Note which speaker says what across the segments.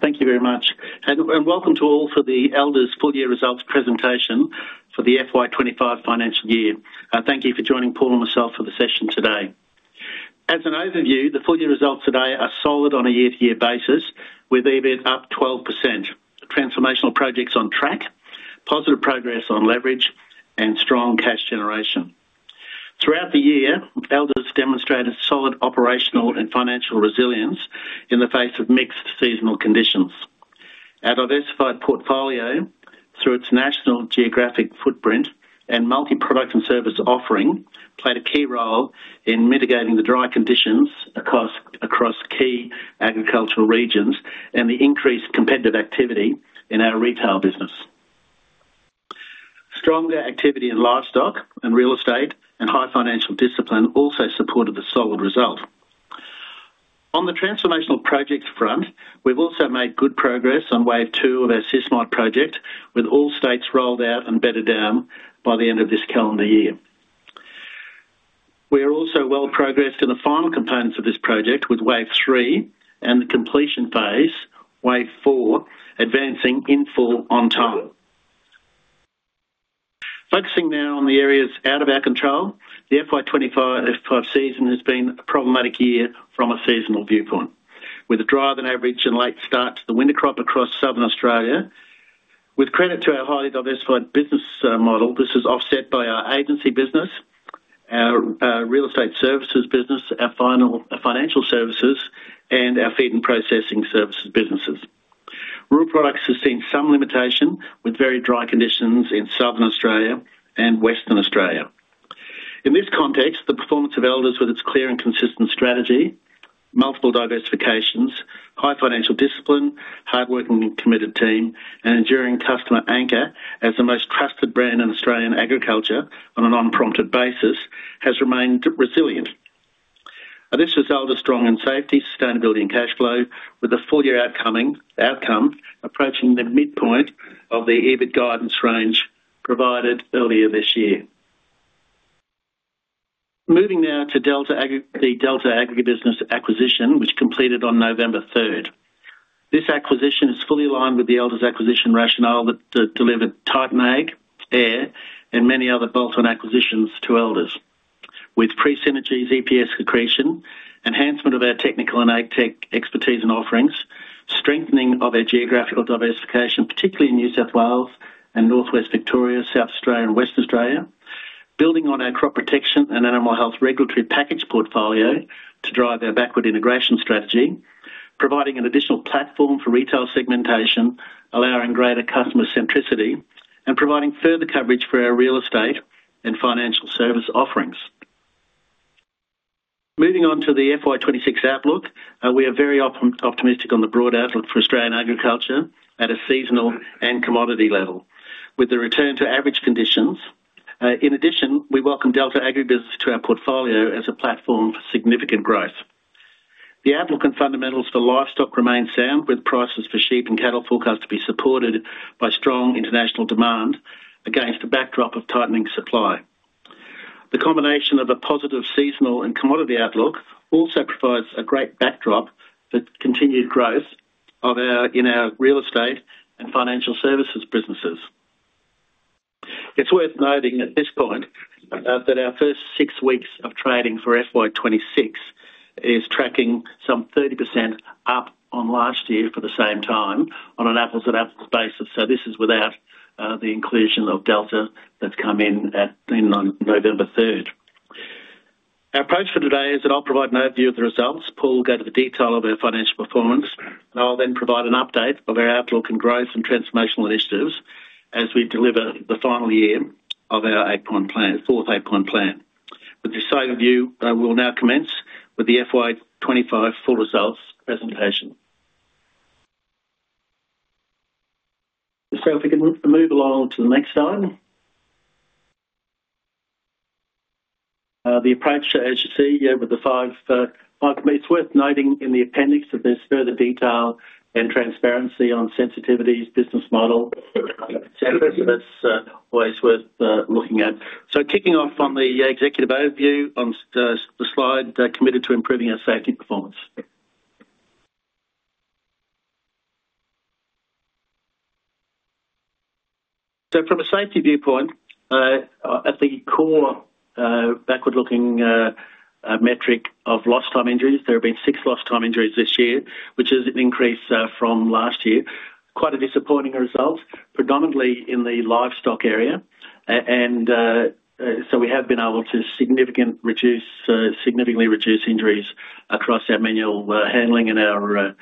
Speaker 1: Thank you very much. Welcome to all for the Elders' full-year results presentation for the FY 2025 financial year. Thank you for joining Paul and myself for the session today. As an overview, the full-year results today are solid on a year-to-year basis, with EBIT up 12%, transformational projects on track, positive progress on leverage, and strong cash generation. Throughout the year, Elders demonstrated solid operational and financial resilience in the face of mixed seasonal conditions. Our diversified portfolio, through its national geographic footprint and multi-product and service offering, played a key role in mitigating the dry conditions across key agricultural regions and the increased competitive activity in our retail business. Stronger activity in livestock and real estate and high financial discipline also supported the solid result. On the transformational projects front, we've also made good progress on wave two of our SysMod project, with all states rolled out and bedded down by the end of this calendar year. We are also well progressed in the final components of this project, with wave three and the completion phase, wave four, advancing in full on time. Focusing now on the areas out of our control, the FY 2025 season has been a problematic year from a seasonal viewpoint, with a drier than average and late start to the winter crop across southern Australia. With credit to our highly diversified business model, this is offset by our agency business, our real estate services business, our financial services, and our feed and processing services businesses. Rural products have seen some limitation with very dry conditions in southern Australia and Western Australia. In this context, the performance of Elders, with its clear and consistent strategy, multiple diversifications, high financial discipline, hardworking and committed team, and enduring customer anchor as the most trusted brand in Australian agriculture on an unprompted basis, has remained resilient. This result is strong in safety, sustainability, and cash flow, with the full-year outcome approaching the midpoint of the EBIT guidance range provided earlier this year. Moving now to the Delta Agribusiness acquisition, which completed on November 3. This acquisition is fully aligned with the Elders' acquisition rationale that delivered Titan and Ag, AIRR, and many other bolt-on acquisitions to Elders, with pre-synergies, EPS accretion, enhancement of our technical and ag tech expertise and offerings, strengthening of our geographical diversification, particularly in New South Wales and northwest Victoria, South Australia, and Western Australia, building on our crop protection and animal health regulatory package portfolio to drive our backward integration strategy, providing an additional platform for retail segmentation, allowing greater customer centricity, and providing further coverage for our real estate and financial service offerings. Moving on to the FY 2026 outlook, we are very optimistic on the broad outlook for Australian agriculture at a seasonal and commodity level, with the return to average conditions. In addition, we welcome Delta Agribusiness to our portfolio as a platform for significant growth. The outlook and fundamentals for livestock remain sound, with prices for sheep and cattle forecast to be supported by strong international demand against a backdrop of tightening supply. The combination of a positive seasonal and commodity outlook also provides a great backdrop for continued growth in our real estate and financial services businesses. It is worth noting at this point that our first six weeks of trading for FY 2026 is tracking some 30% up on last year for the same time on an apples-to-apples basis. This is without the inclusion of Delta that has come in on November 3. Our approach for today is that I will provide an overview of the results, Paul will go to the detail of our financial performance, and I will then provide an update of our outlook and growth and transformational initiatives as we deliver the final year of our fourth Eight Point plan. With this overview, we will now commence with the FY 2025 full results presentation. If we can move along to the next slide. The approach, as you see with the five committees, worth noting in the appendix that there's further detail and transparency on sensitivities, business model, etc. That's always worth looking at. Kicking off on the executive overview on the slide, committed to improving our safety performance. From a safety viewpoint, at the core backward-looking metric of lost-time injuries, there have been six lost-time injuries this year, which is an increase from last year. Quite a disappointing result, predominantly in the livestock area. We have been able to significantly reduce injuries across our manual handling and our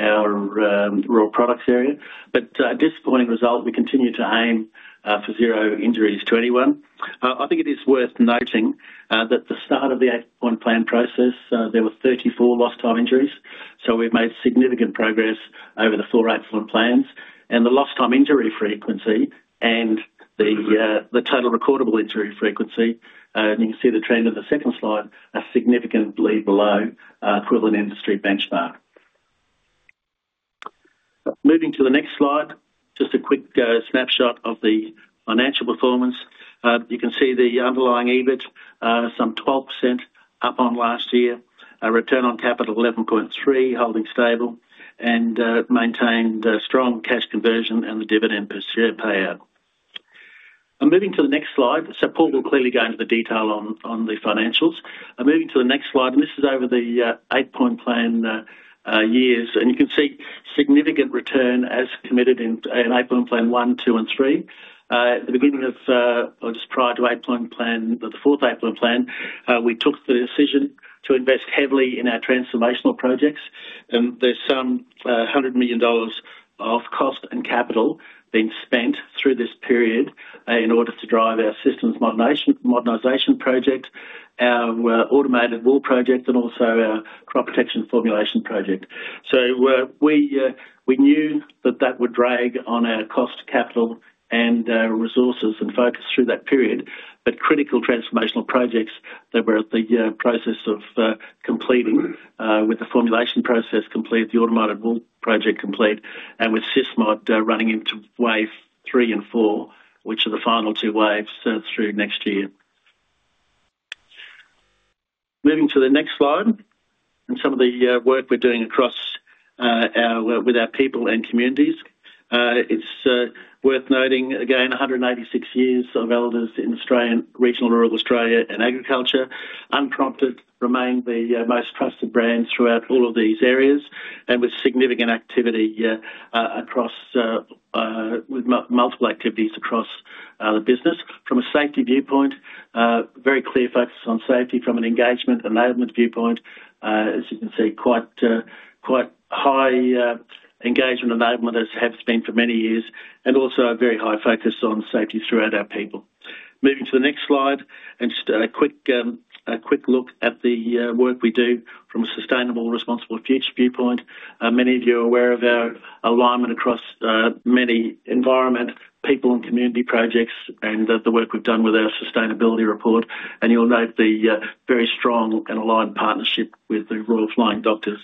Speaker 1: raw products area. A disappointing result, we continue to aim for zero injuries to anyone. I think it is worth noting that at the start of the Eight Point plan process, there were 34 lost-time injuries. We have made significant progress over the four Eight Point plans. The lost-time injury frequency and the total recordable injury frequency, and you can see the trend on the second slide, are significantly below our equivalent industry benchmark. Moving to the next slide, just a quick snapshot of the financial performance. You can see the underlying EBIT, some 12% up on last year, a return on capital 11.3%, holding stable, and maintained strong cash conversion and the dividend payout. Moving to the next slide. Paul will clearly go into the detail on the financials. Moving to the next slide, and this is over the Eight Point plan years. You can see significant return as committed in Eight Point plan one, two, and three. At the beginning of, or just prior to, Eight Point plan, the fourth Eight Point plan, we took the decision to invest heavily in our transformational projects. There is some 100 million dollars of cost and capital being spent through this period in order to drive our systems modernisation project, our automated wool project, and also our crop protection formulation project. We knew that that would drag on our cost, capital, and resources and focus through that period. Critical transformational projects that were at the process of completing, with the formulation process complete, the automated wool project complete, and with SysMod running into wave three and four, which are the final two waves through next year. Moving to the next slide and some of the work we are doing across with our people and communities. It is worth noting, again, 186 years of Elders in Australia, regional rural Australia and agriculture. Unprompted remain the most trusted brands throughout all of these areas and with significant activity across with multiple activities across the business. From a safety viewpoint, very clear focus on safety from an engagement enablement viewpoint. As you can see, quite high engagement enablement has been for many years, and also a very high focus on safety throughout our people. Moving to the next slide and just a quick look at the work we do from a sustainable, responsible future viewpoint. Many of you are aware of our alignment across many environment, people, and community projects and the work we've done with our sustainability report. You will note the very strong and aligned partnership with the Royal Flying Doctor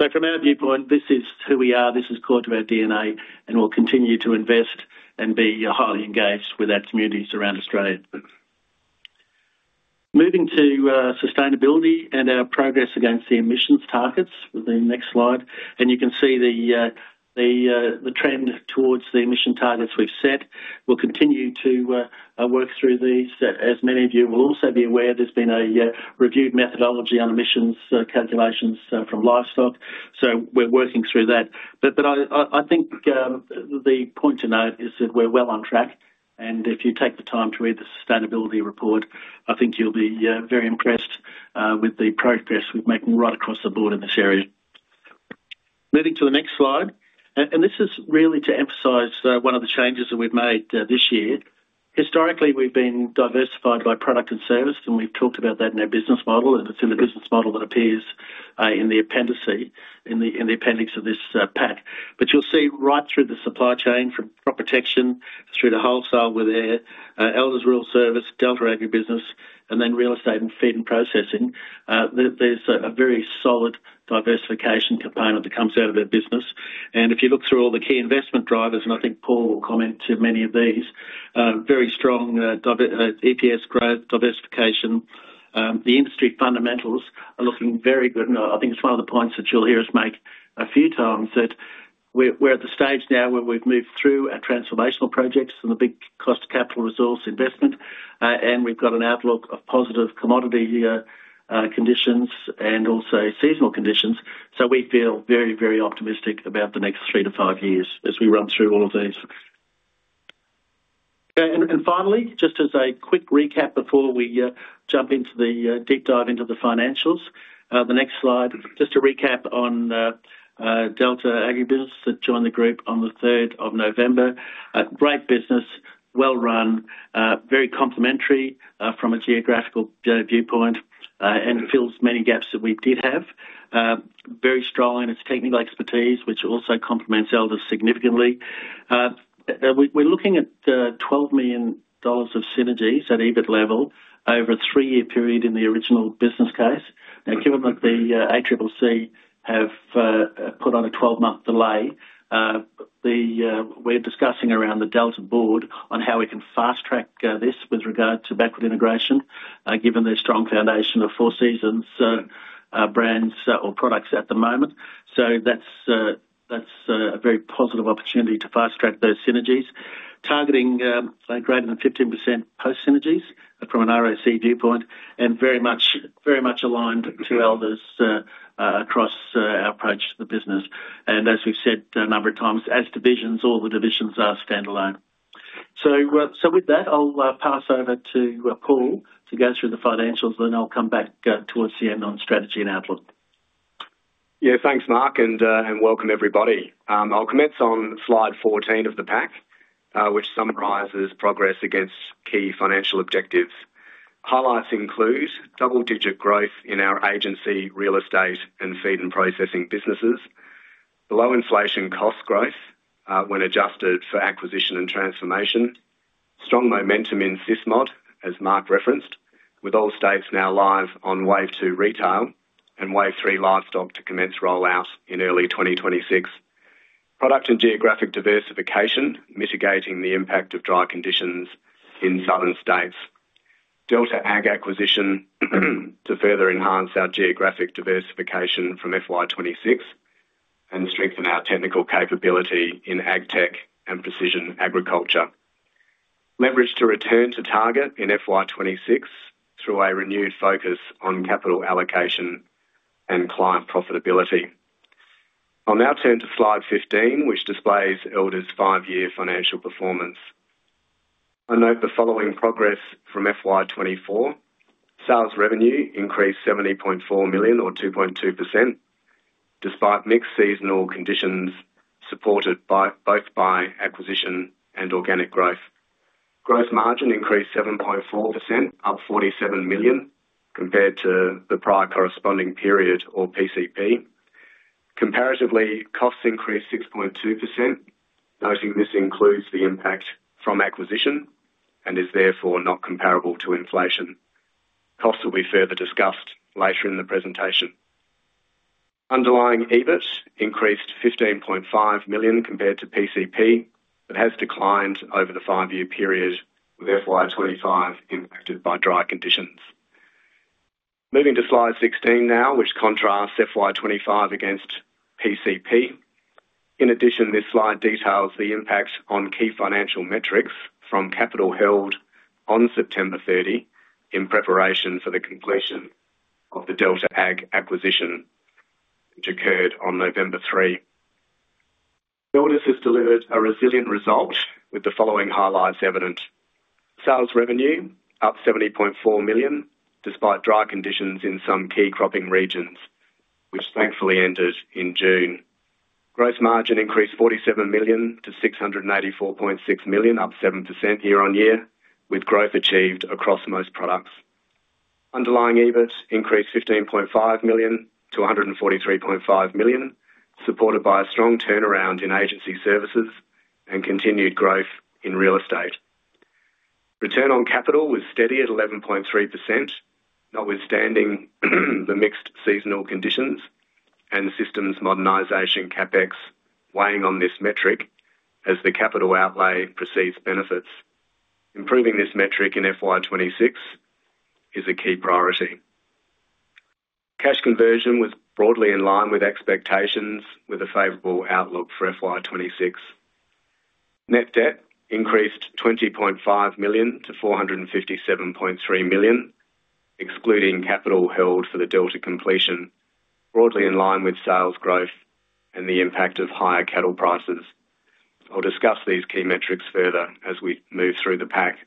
Speaker 1: Service. From our viewpoint, this is who we are. This is core to our DNA, and we will continue to invest and be highly engaged with our communities around Australia. Moving to sustainability and our progress against the emissions targets with the next slide. You can see the trend towards the emission targets we've set. We'll continue to work through these. As many of you will also be aware, there's been a reviewed methodology on emissions calculations from livestock. We're working through that. I think the point to note is that we're well on track. If you take the time to read the sustainability report, I think you'll be very impressed with the progress we're making right across the board in this area. Moving to the next slide. This is really to emphasize one of the changes that we've made this year. Historically, we've been diversified by product and service, and we've talked about that in our business model. It's in the business model that appears in the appendix of this pack. You will see right through the supply chain from crop protection through to wholesale with Elders Rural Service, Delta Agribusiness, and then real estate and feed and processing. There is a very solid diversification component that comes out of our business. If you look through all the key investment drivers, and I think Paul will comment to many of these, very strong EPS growth, diversification. The industry fundamentals are looking very good. I think it is one of the points that you will hear us make a few times that we are at the stage now where we have moved through our transformational projects and the big cost, capital, resource investment. We have got an outlook of positive commodity conditions and also seasonal conditions. We feel very, very optimistic about the next three to five years as we run through all of these. Finally, just as a quick recap before we jump into the deep dive into the financials, the next slide. Just a recap on Delta Agribusiness that joined the group on November 3. Great business, well run, very complementary from a geographical viewpoint and fills many gaps that we did have. Very strong in its technical expertise, which also complements Elders significantly. We're looking at 12 million dollars of synergies at EBIT level over a three-year period in the original business case. Now, given that the ACCC have put on a 12-month delay, we're discussing around the Delta board on how we can fast track this with regard to backward integration, given the strong foundation of Four Seasons brands or products at the moment. That's a very positive opportunity to fast track those synergies, targeting greater than 15% post-synergies from an ROC viewpoint and very much aligned to Elders across our approach to the business. As we've said a number of times, as divisions, all the divisions are standalone. With that, I'll pass over to Paul to go through the financials, and then I'll come back towards the end on strategy and outlook.
Speaker 2: Yeah, thanks, Mark, and welcome everybody. I'll commence on slide 14 of the pack, which summarizes progress against key financial objectives. Highlights include double-digit growth in our agency, real estate, and feed and processing businesses, below inflation cost growth when adjusted for acquisition and transformation, strong momentum in SysMod, as Mark referenced, with all states now live on wave two retail and wave three livestock to commence rollout in early 2026, product and geographic diversification, mitigating the impact of dry conditions in southern states, Delta Agribusiness acquisition to further enhance our geographic diversification from FY 2026 and strengthen our technical capability in agtech and precision agriculture, leverage to return to target in FY 2026 through a renewed focus on capital allocation and client profitability. I'll now turn to slide 15, which displays Elders' five-year financial performance. I note the following progress from FY 2024. Sales revenue increased 70.4 million, or 2.2%, despite mixed seasonal conditions supported both by acquisition and organic growth. Gross margin increased 7.4%, up 47 million compared to the prior corresponding period or PCP. Comparatively, costs increased 6.2%, noting this includes the impact from acquisition and is therefore not comparable to inflation. Costs will be further discussed later in the presentation. Underlying EBIT increased 15.5 million compared to PCP, but has declined over the five-year period with FY 2025 impacted by dry conditions. Moving to slide 16 now, which contrasts FY 2025 against PCP. In addition, this slide details the impact on key financial metrics from capital held on September 30 in preparation for the completion of the Delta Agribusiness acquisition, which occurred on November 3. Elders has delivered a resilient result with the following highlights evident. Sales revenue up 70.4 million despite dry conditions in some key cropping regions, which thankfully ended in June. Gross margin increased 47 million to 684.6 million, up 7% year on year, with growth achieved across most products. Underlying EBIT increased 15.5 million to 143.5 million, supported by a strong turnaround in agency services and continued growth in real estate. Return on capital was steady at 11.3%, notwithstanding the mixed seasonal conditions and systems modernisation CapEx weighing on this metric as the capital outlay precedes benefits. Improving this metric in FY 2026 is a key priority. Cash conversion was broadly in line with expectations, with a favorable outlook for FY 2026. Net debt increased 20.5 million to 457.3 million, excluding capital held for the Delta completion, broadly in line with sales growth and the impact of higher cattle prices. I'll discuss these key metrics further as we move through the pack.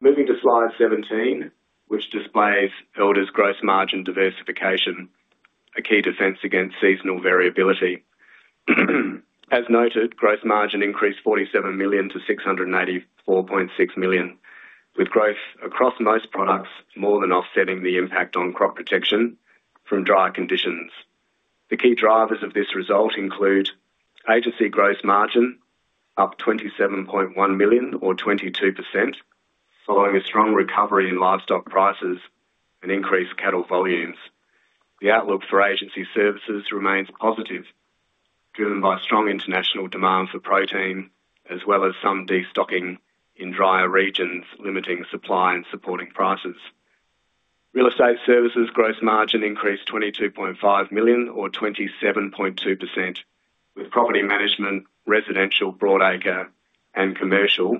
Speaker 2: Moving to slide 17, which displays Elders' gross margin diversification, a key defense against seasonal variability. As noted, gross margin increased 47 million to 684.6 million, with growth across most products more than offsetting the impact on crop protection from dry conditions. The key drivers of this result include agency gross margin up 27.1 million, or 22%, following a strong recovery in livestock prices and increased cattle volumes. The outlook for agency services remains positive, driven by strong international demand for protein, as well as some destocking in drier regions, limiting supply and supporting prices. Real estate services gross margin increased 22.5 million, or 27.2%, with property management, residential, broad acre, and commercial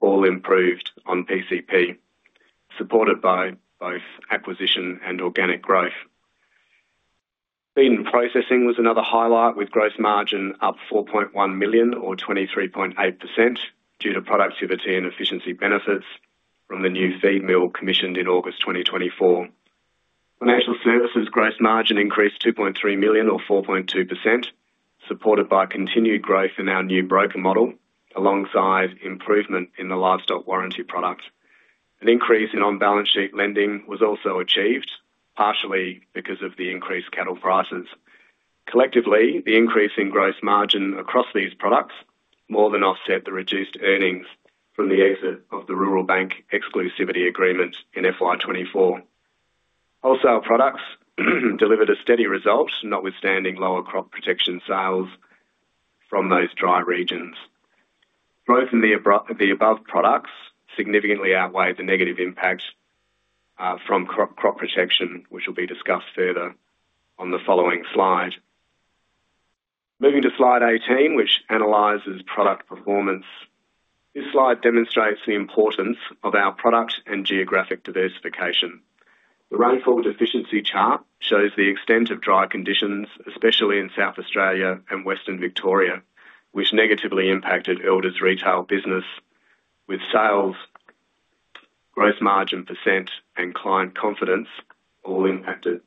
Speaker 2: all improved on PCP, supported by both acquisition and organic growth. Feed and processing was another highlight, with gross margin up 4.1 million, or 23.8%, due to productivity and efficiency benefits from the new feed mill commissioned in August 2024. Financial services gross margin increased 2.3 million, or 4.2%, supported by continued growth in our new broker model alongside improvement in the livestock warranty product. An increase in on-balance sheet lending was also achieved, partially because of the increased cattle prices. Collectively, the increase in gross margin across these products more than offset the reduced earnings from the exit of the Rural Bank Exclusivity Agreement in FY 2024. Wholesale products delivered a steady result, notwithstanding lower crop protection sales from those dry regions. Growth in the above products significantly outweighed the negative impact from crop protection, which will be discussed further on the following slide. Moving to slide 18, which analyses product performance. This slide demonstrates the importance of our product and geographic diversification. The rainfall deficiency chart shows the extent of dry conditions, especially in South Australia and Western Victoria, which negatively impacted Elders' retail business, with sales, gross margin %, and client confidence all impacted.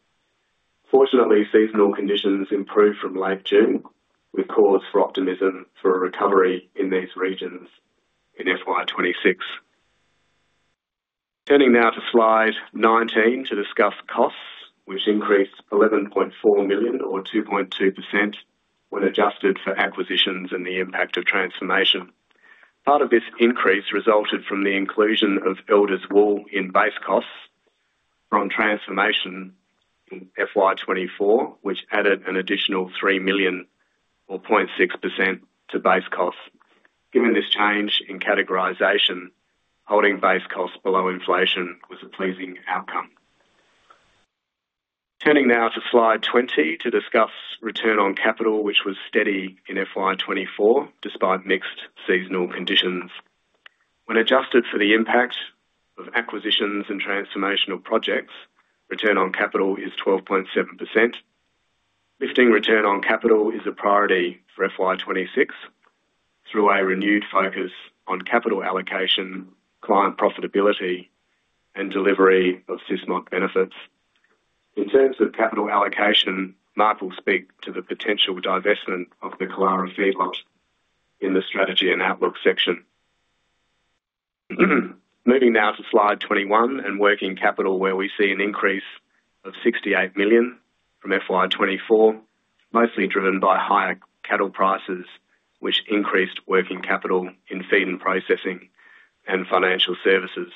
Speaker 2: Fortunately, seasonal conditions improved from late June, which caused for optimism for a recovery in these regions in FY 2026. Turning now to slide 19 to discuss costs, which increased 11.4 million, or 2.2%, when adjusted for acquisitions and the impact of transformation. Part of this increase resulted from the inclusion of Elders Wool in base costs from transformation in FY 2024, which added an additional 3 million, or 0.6%, to base costs. Given this change in categorization, holding base costs below inflation was a pleasing outcome. Turning now to slide 20 to discuss return on capital, which was steady in FY 2024 despite mixed seasonal conditions. When adjusted for the impact of acquisitions and transformational projects, return on capital is 12.7%. Lifting return on capital is a priority for FY 2026 through a renewed focus on capital allocation, client profitability, and delivery of SysMod benefits. In terms of capital allocation, Mark will speak to the potential divestment of the Killara Feedlot in the strategy and outlook section. Moving now to slide 21 and working capital, where we see an increase of 68 million from FY 2024, mostly driven by higher cattle prices, which increased working capital in Feed and Processing and Financial Services.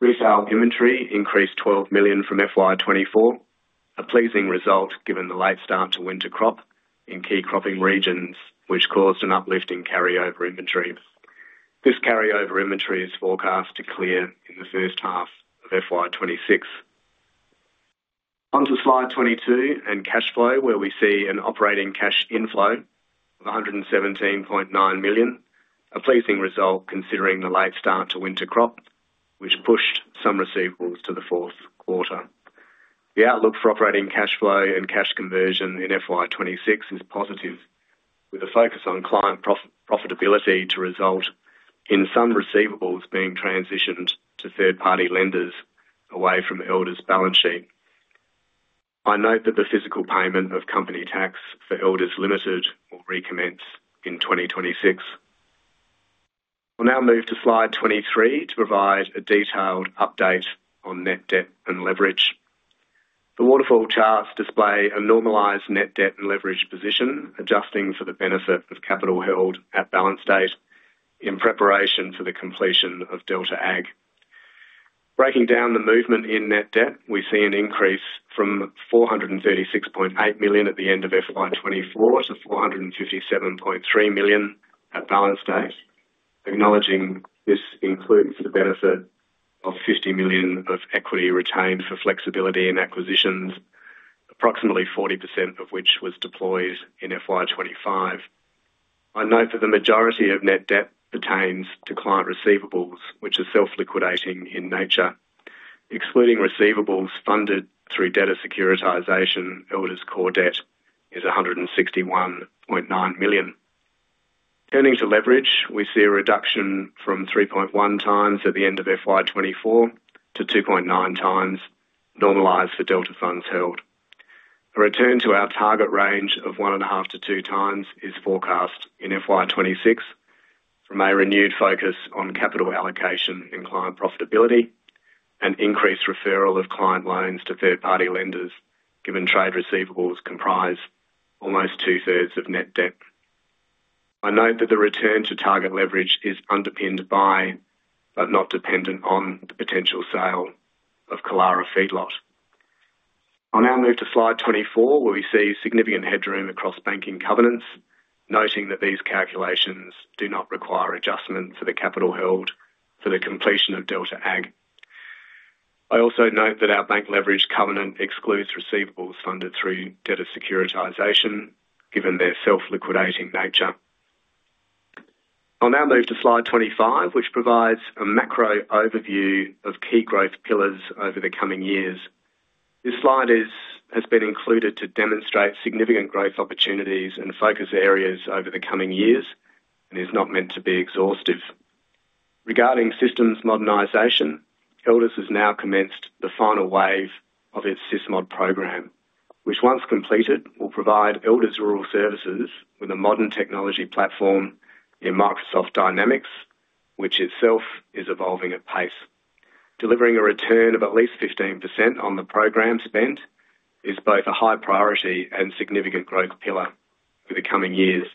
Speaker 2: Retail inventory increased 12 million from FY 2024, a pleasing result given the late start to winter crop in key cropping regions, which caused an uplift in carryover inventory. This carryover inventory is forecast to clear in the first half of FY 2026. Onto slide 22 and cash flow, where we see an operating cash inflow of 117.9 million, a pleasing result considering the late start to winter crop, which pushed some receivables to the fourth quarter. The outlook for operating cash flow and cash conversion in FY 2026 is positive, with a focus on client profitability to result in some receivables being transitioned to third-party lenders away from Elders' balance sheet. I note that the physical payment of company tax for Elders Limited will recommence in 2026. I'll now move to slide 23 to provide a detailed update on net debt and leverage. The waterfall charts display a normalised net debt and leverage position, adjusting for the benefit of capital held at balance date in preparation for the completion of Delta Agribusiness. Breaking down the movement in net debt, we see an increase from 436.8 million at the end of FY 2024 to 457.3 million at balance date, acknowledging this includes the benefit of 50 million of equity retained for flexibility in acquisitions, approximately 40% of which was deployed in FY 2025. I note that the majority of net debt pertains to client receivables, which are self-liquidating in nature. Excluding receivables funded through debtor securitisation, Elders' core debt is 161.9 million. Turning to leverage, we see a reduction from 3.1 times at the end of FY 2024 to 2.9 times, normalised for Delta funds held. A return to our target range of 1.5-2 times is forecast in FY 2026 from a renewed focus on capital allocation and client profitability and increased referral of client loans to third-party lenders, given trade receivables comprise almost two-thirds of net debt. I note that the return to target leverage is underpinned by, but not dependent on, the potential sale of Killara Feedlot. I'll now move to slide 24, where we see significant headroom across banking covenants, noting that these calculations do not require adjustment for the capital held for the completion of Delta Agribusiness. I also note that our bank leverage covenant excludes receivables funded through debtor securitisation, given their self-liquidating nature. I'll now move to slide 25, which provides a macro overview of key growth pillars over the coming years. This slide has been included to demonstrate significant growth opportunities and focus areas over the coming years and is not meant to be exhaustive. Regarding systems modernisation, Elders has now commenced the final wave of its SysMod program, which, once completed, will provide Elders' rural services with a modern technology platform in Microsoft Dynamics, which itself is evolving at pace. Delivering a return of at least 15% on the program spent is both a high priority and significant growth pillar for the coming years.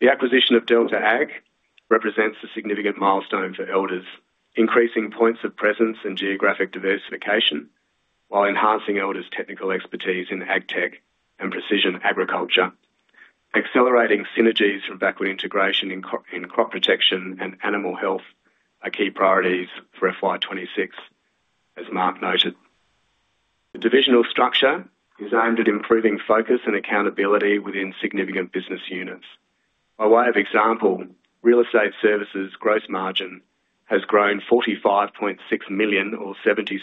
Speaker 2: The acquisition of Delta Agribusiness represents a significant milestone for Elders, increasing points of presence and geographic diversification while enhancing Elders' technical expertise in agtech and precision agriculture. Accelerating synergies from backward integration in crop protection and animal health are key priorities for FY 2026, as Mark noted. The divisional structure is aimed at improving focus and accountability within significant business units. By way of example, real estate services gross margin has grown 45.6 million, or 77%,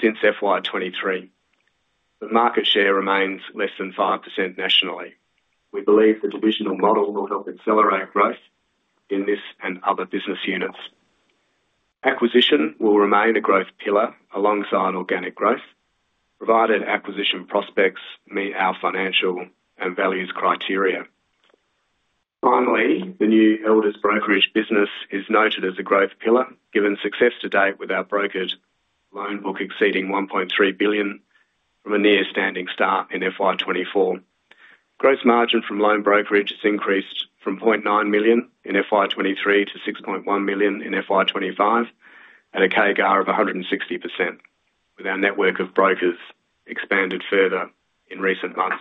Speaker 2: since FY 2023. The market share remains less than 5% nationally. We believe the divisional model will help accelerate growth in this and other business units. Acquisition will remain a growth pillar alongside organic growth, provided acquisition prospects meet our financial and values criteria. Finally, the new Elders' brokerage business is noted as a growth pillar, given success to date with our brokered loan book exceeding 1.3 billion from a near-standing start in FY 2024. Gross margin from loan brokerage has increased from 0.9 million in FY2023 to 6.1 million in FY 2025, at a CAGR of 160%, with our network of brokers expanded further in recent months.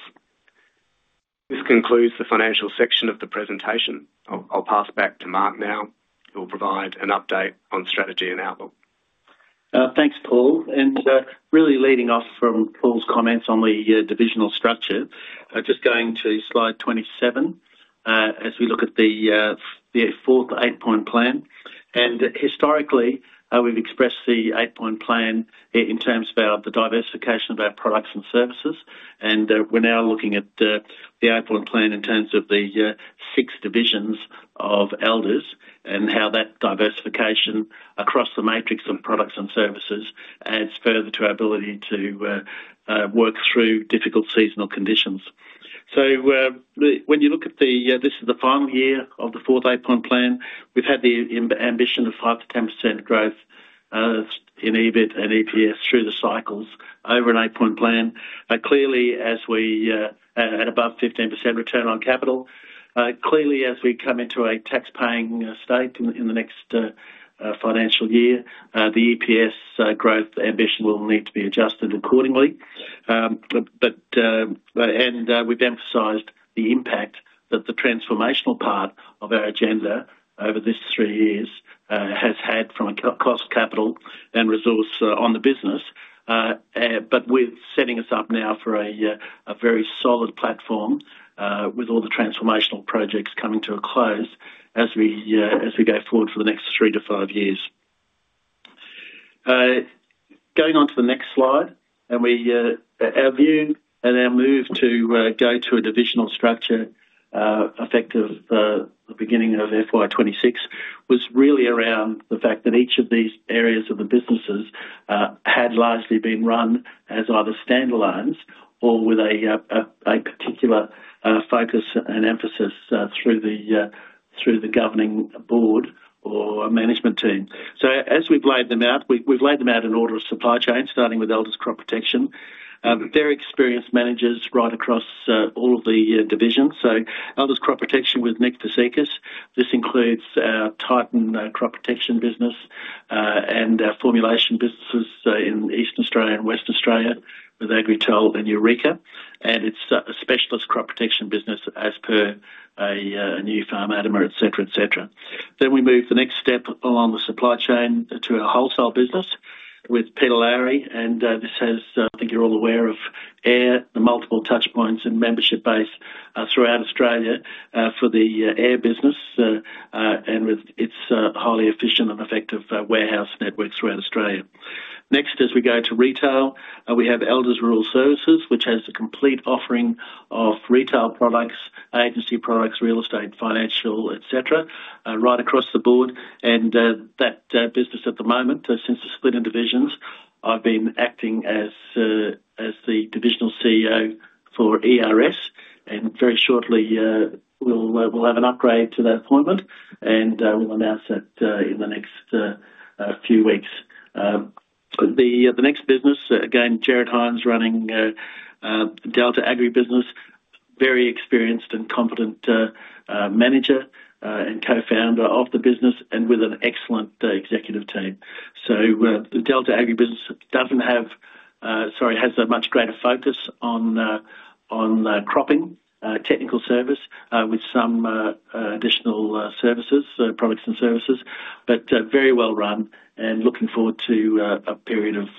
Speaker 2: This concludes the financial section of the presentation. I'll pass back to Mark now, who will provide an update on strategy and outlook.
Speaker 1: Thanks, Paul. Really leading off from Paul's comments on the divisional structure, just going to slide 27 as we look at the fourth eight-point plan. Historically, we've expressed the eight-point plan in terms of the diversification of our products and services. We are now looking at the eight-point plan in terms of the six divisions of Elders and how that diversification across the matrix of products and services adds further to our ability to work through difficult seasonal conditions. When you look at this, this is the final year of the fourth eight-point plan. We have had the ambition of 5%-10% growth in EBIT and EPS through the cycles over an eight-point plan. Clearly, as we are at above 15% return on capital, clearly, as we come into a tax-paying state in the next financial year, the EPS growth ambition will need to be adjusted accordingly. We have emphasized the impact that the transformational part of our agenda over these three years has had from cost, capital, and resource on the business. We're setting us up now for a very solid platform with all the transformational projects coming to a close as we go forward for the next three to five years. Going on to the next slide, our view and our move to go to a divisional structure effective the beginning of FY 2026 was really around the fact that each of these areas of the businesses had largely been run as either standalones or with a particular focus and emphasis through the governing board or management team. As we've laid them out, we've laid them out in order of supply chain, starting with Elders' crop protection. They're experienced managers right across all of the divisions. Elders' crop protection with Nick Fisicus. This includes our Titan crop protection business and our formulation businesses in East Australia and West Australia with Agritel and Eureka. It is a specialist crop protection business as per a new farm, Adama, etc., etc. We move the next step along the supply chain to our wholesale business with Peter Lowry. This has, I think you are all aware, the multiple touchpoints and membership base throughout Australia for the AIR business and with its highly efficient and effective warehouse networks throughout Australia. Next, as we go to retail, we have Elders' rural services, which has the complete offering of retail products, agency products, real estate, financial, etc., right across the board. That business at the moment, since it is split into divisions, I have been acting as the Divisional CEO for ERS. Very shortly, we will have an upgrade to that appointment, and we will announce that in the next few weeks. The next business, again, Jared Hines running Delta Agribusiness, very experienced and competent manager and co-founder of the business and with an excellent executive team. Delta Agribusiness has a much greater focus on cropping, technical service with some additional services, products and services, but very well run and looking forward to a period of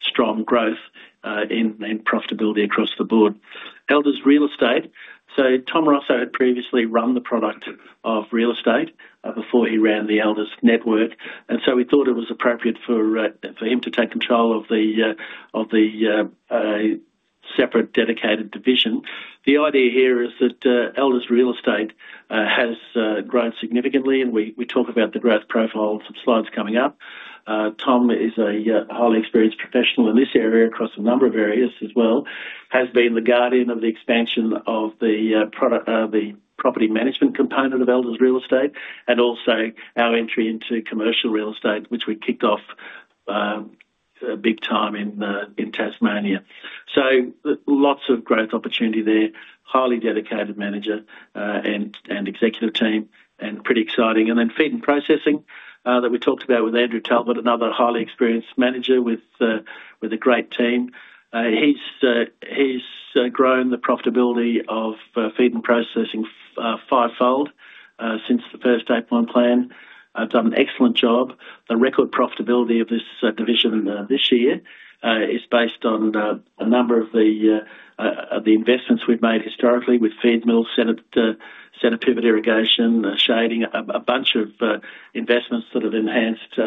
Speaker 1: strong growth in profitability across the board. Elders' real estate. Tom Ross had previously run the product of real estate before he ran the Elders' network. We thought it was appropriate for him to take control of the separate dedicated division. The idea here is that Elders' real estate has grown significantly, and we talk about the growth profile in some slides coming up. Tom is a highly experienced professional in this area across a number of areas as well, has been the guardian of the expansion of the property management component of Elders' real estate and also our entry into commercial real estate, which we kicked off big time in Tasmania. Lots of growth opportunity there, highly dedicated manager and executive team, and pretty exciting. Feed and processing that we talked about with Andrew Talbot, another highly experienced manager with a great team. He's grown the profitability of feed and processing fivefold since the first eight-point plan. I've done an excellent job. The record profitability of this division this year is based on a number of the investments we've made historically with feed mill, center pivot irrigation, shading, a bunch of investments that have enhanced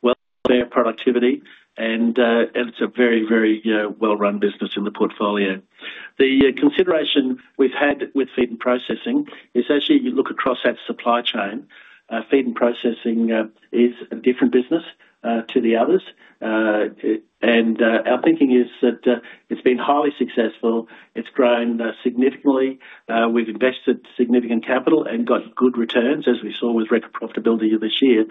Speaker 1: welfare productivity. It's a very, very well-run business in the portfolio. The consideration we've had with feed and processing is actually you look across that supply chain. Feed and processing is a different business to the others. Our thinking is that it's been highly successful. It's grown significantly. We've invested significant capital and got good returns, as we saw with record profitability this year.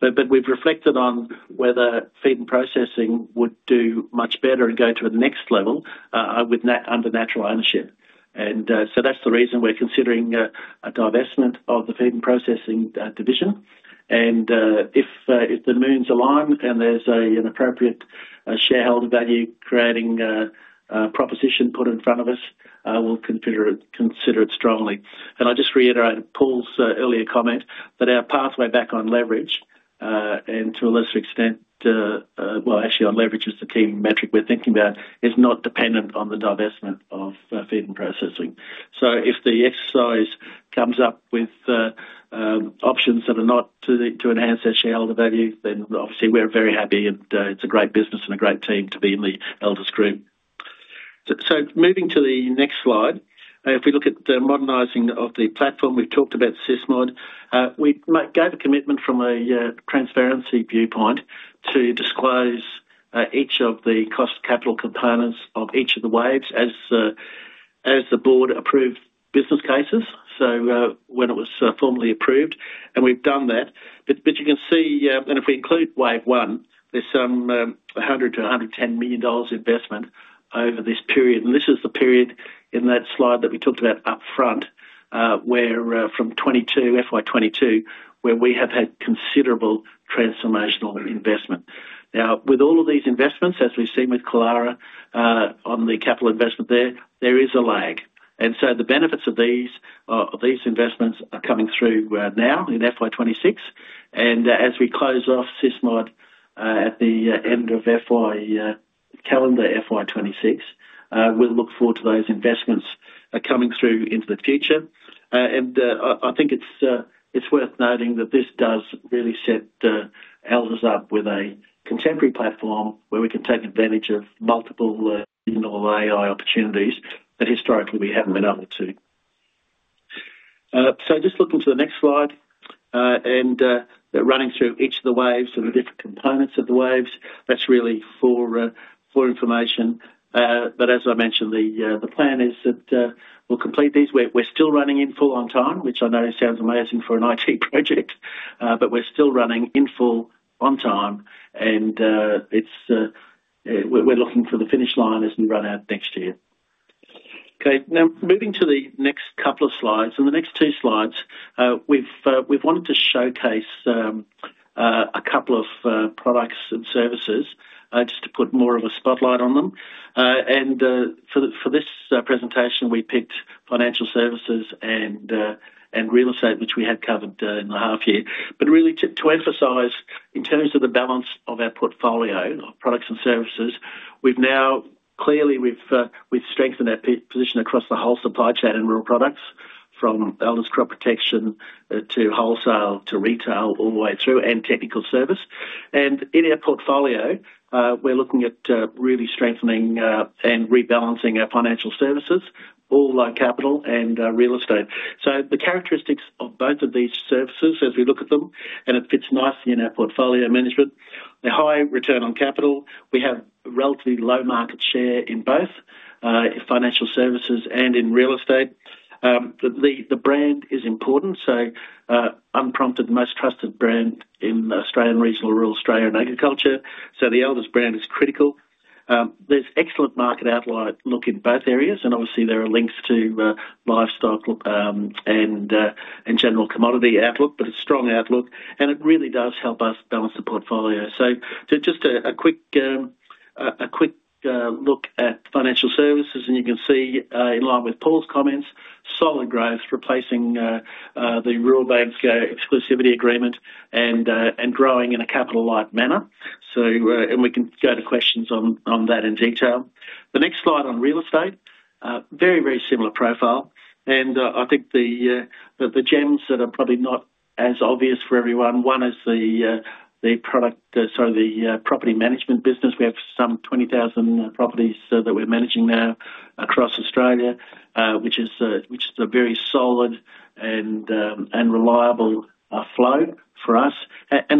Speaker 1: We've reflected on whether feed and processing would do much better and go to the next level under natural ownership. That is the reason we're considering a divestment of the feed and processing division. If the moons align and there's an appropriate shareholder value creating proposition put in front of us, we'll consider it strongly. I'll just reiterate Paul's earlier comment that our pathway back on leverage and to a lesser extent, well, actually on leverage is the team metric we're thinking about, is not dependent on the divestment of feed and processing. If the exercise comes up with options that are not to enhance their shareholder value, then obviously we're very happy and it's a great business and a great team to be in the Elders group. Moving to the next slide, if we look at the modernising of the platform, we've talked about SysMod. We gave a commitment from a transparency viewpoint to disclose each of the cost capital components of each of the waves as the board approved business cases when it was formally approved. We've done that. You can see, and if we include wave one, there is some 100 million-110 million dollars investment over this period. This is the period in that slide that we talked about upfront where from FY 2022, we have had considerable transformational investment. Now, with all of these investments, as we have seen with Kalaru on the capital investment there, there is a lag. The benefits of these investments are coming through now in FY 2026. As we close off SysMod at the end of calendar FY 2026, we will look forward to those investments coming through into the future. I think it is worth noting that this does really set Elders up with a contemporary platform where we can take advantage of multiple AI opportunities that historically we have not been able to. Just looking to the next slide and running through each of the waves and the different components of the waves, that's really for information. As I mentioned, the plan is that we'll complete these. We're still running in full on time, which I know sounds amazing for an IT project, but we're still running in full on time. We're looking for the finish line as we run out next year. Okay. Now, moving to the next couple of slides. In the next two slides, we've wanted to showcase a couple of products and services just to put more of a spotlight on them. For this presentation, we picked financial services and real estate, which we had covered in the half year. Really, to emphasize in terms of the balance of our portfolio of products and services, we've now clearly strengthened our position across the whole supply chain and raw products from Elders' crop protection to wholesale to retail all the way through and technical service. In our portfolio, we're looking at really strengthening and rebalancing our financial services, all low capital and real estate. The characteristics of both of these services, as we look at them, fit nicely in our portfolio management, the high return on capital. We have relatively low market share in both financial services and in real estate. The brand is important. Unprompted, most trusted brand in Australian regional rural Australian agriculture. The Elders brand is critical. There's excellent market outlook in both areas. Obviously, there are links to livestock and general commodity outlook, but a strong outlook. It really does help us balance the portfolio. Just a quick look at financial services. You can see, in line with Paul's comments, solid growth replacing the Rural Bank's exclusivity agreement and growing in a capital-like manner. We can go to questions on that in detail. The next slide on real estate, very, very similar profile. I think the gems that are probably not as obvious for everyone, one is the property management business. We have some 20,000 properties that we are managing now across Australia, which is a very solid and reliable flow for us.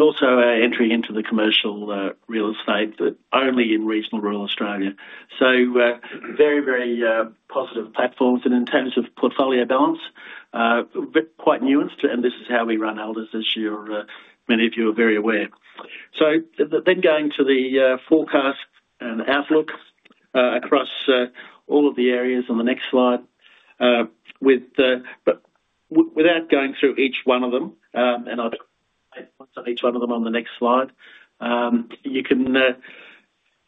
Speaker 1: Also our entry into the commercial real estate, but only in regional rural Australia. Very, very positive platforms. In terms of portfolio balance, quite nuanced. This is how we run Elders this year, many of you are very aware. Then going to the forecast and outlook across all of the areas on the next slide. Without going through each one of them, and I'll put on each one of them on the next slide, you can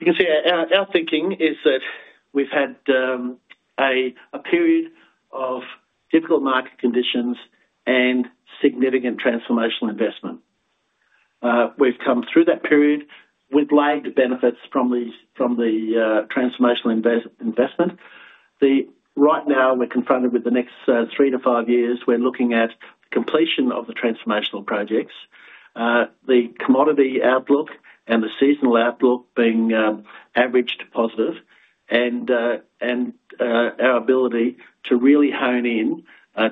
Speaker 1: see our thinking is that we've had a period of difficult market conditions and significant transformational investment. We've come through that period with lagged benefits from the transformational investment. Right now, we're confronted with the next three to five years. We're looking at the completion of the transformational projects, the commodity outlook, and the seasonal outlook being averaged positive. Our ability to really hone in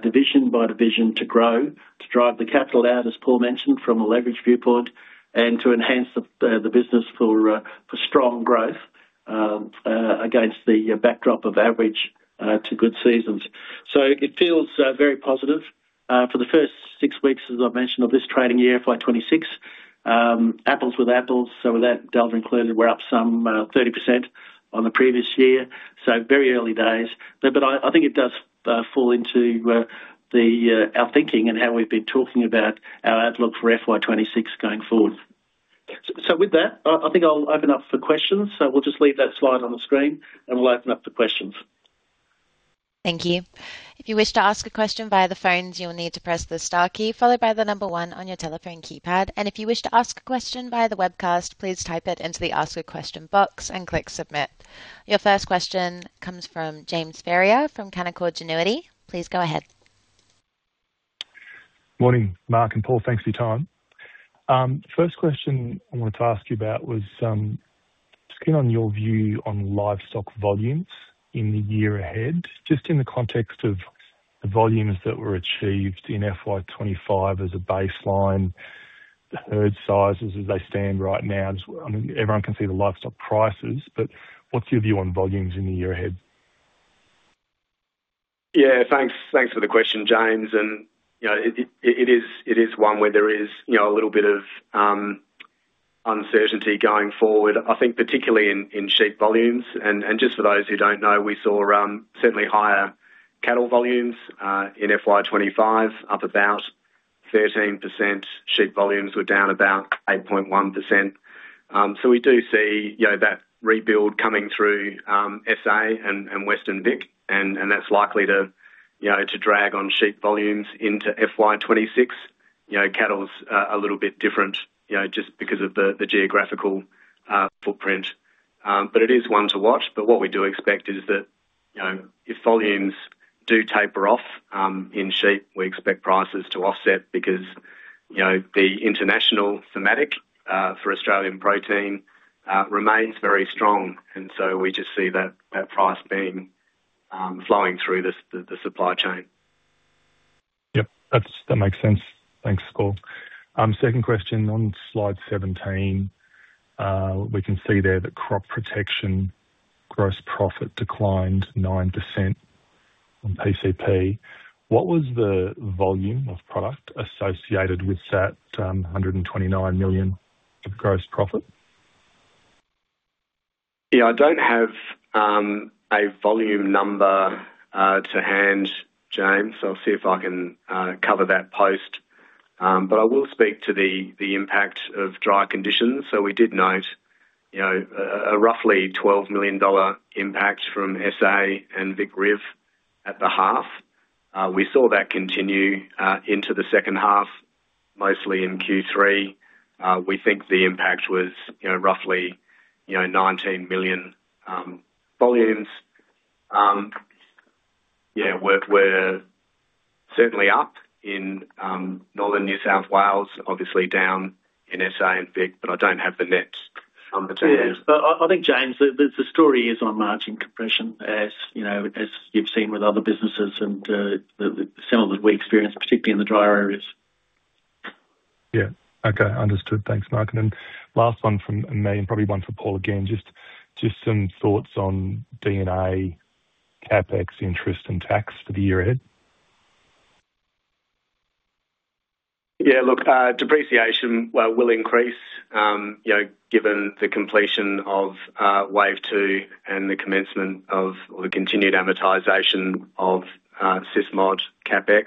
Speaker 1: division by division to grow, to drive the capital out, as Paul mentioned, from a leverage viewpoint, and to enhance the business for strong growth against the backdrop of average to good seasons. It feels very positive for the first six weeks, as I mentioned, of this trading year, FY 2026. Apples with apples. With that, Delta included, we're up some 30% on the previous year. Very early days. I think it does fall into our thinking and how we've been talking about our outlook for FY 2026 going forward. With that, I think I'll open up for questions. We'll just leave that slide on the screen, and we'll open up for questions.
Speaker 3: Thank you. If you wish to ask a question via the phones, you'll need to press the star key followed by the number one on your telephone keypad. If you wish to ask a question via the webcast, please type it into the ask a question box and click submit. Your first question comes from James Ferrier from Canaccord Genuity. Please go ahead.
Speaker 4: Morning, Mark and Paul. Thanks for your time. First question I wanted to ask you about was just getting on your view on livestock volumes in the year ahead, just in the context of the volumes that were achieved in FY 2025 as a baseline, herd sizes as they stand right now. I mean, everyone can see the livestock prices, but what's your view on volumes in the year ahead?
Speaker 2: Yeah, thanks for the question, James. And it is one where there is a little bit of uncertainty going forward, I think, particularly in sheep volumes. And just for those who don't know, we saw certainly higher cattle volumes in FY 2025, up about 13%. Sheep volumes were down about 8.1%. We do see that rebuild coming through South Australia and Western Victoria. That is likely to drag on sheep volumes into FY 2026. Cattle's a little bit different just because of the geographical footprint. It is one to watch. What we do expect is that if volumes do taper off in sheep, we expect prices to offset because the international thematic for Australian protein remains very strong. We just see that price being flowing through the supply chain.
Speaker 4: Yep, that makes sense. Thanks, Paul. Second question on slide 17. We can see there that crop protection gross profit declined 9% on PCP. What was the volume of product associated with that 129 million of gross profit?
Speaker 2: Yeah, I do not have a volume number to hand, James. I will see if I can cover that post. I will speak to the impact of dry conditions. We did note a roughly 12 million dollar impact from South Australia and Victoria at the half. We saw that continue into the second half, mostly in Q3. We think the impact was roughly AUD 19 million volumes. Yeah, we're certainly up in Northern New South Wales, obviously down in South Australia and Victoria, but I don't have the net number to hand.
Speaker 1: Yeah, but I think, James, the story is on margin compression, as you've seen with other businesses and some of the weak experience, particularly in the dry areas.
Speaker 4: Yeah. Okay, understood. Thanks, Mark. And then last one from me, and probably one for Paul again, just some thoughts on D&A, CapEx, interest, and tax for the year ahead.
Speaker 2: Yeah, look, depreciation will increase given the completion of wave two and the commencement of the continued amortization of SysMod CapEx.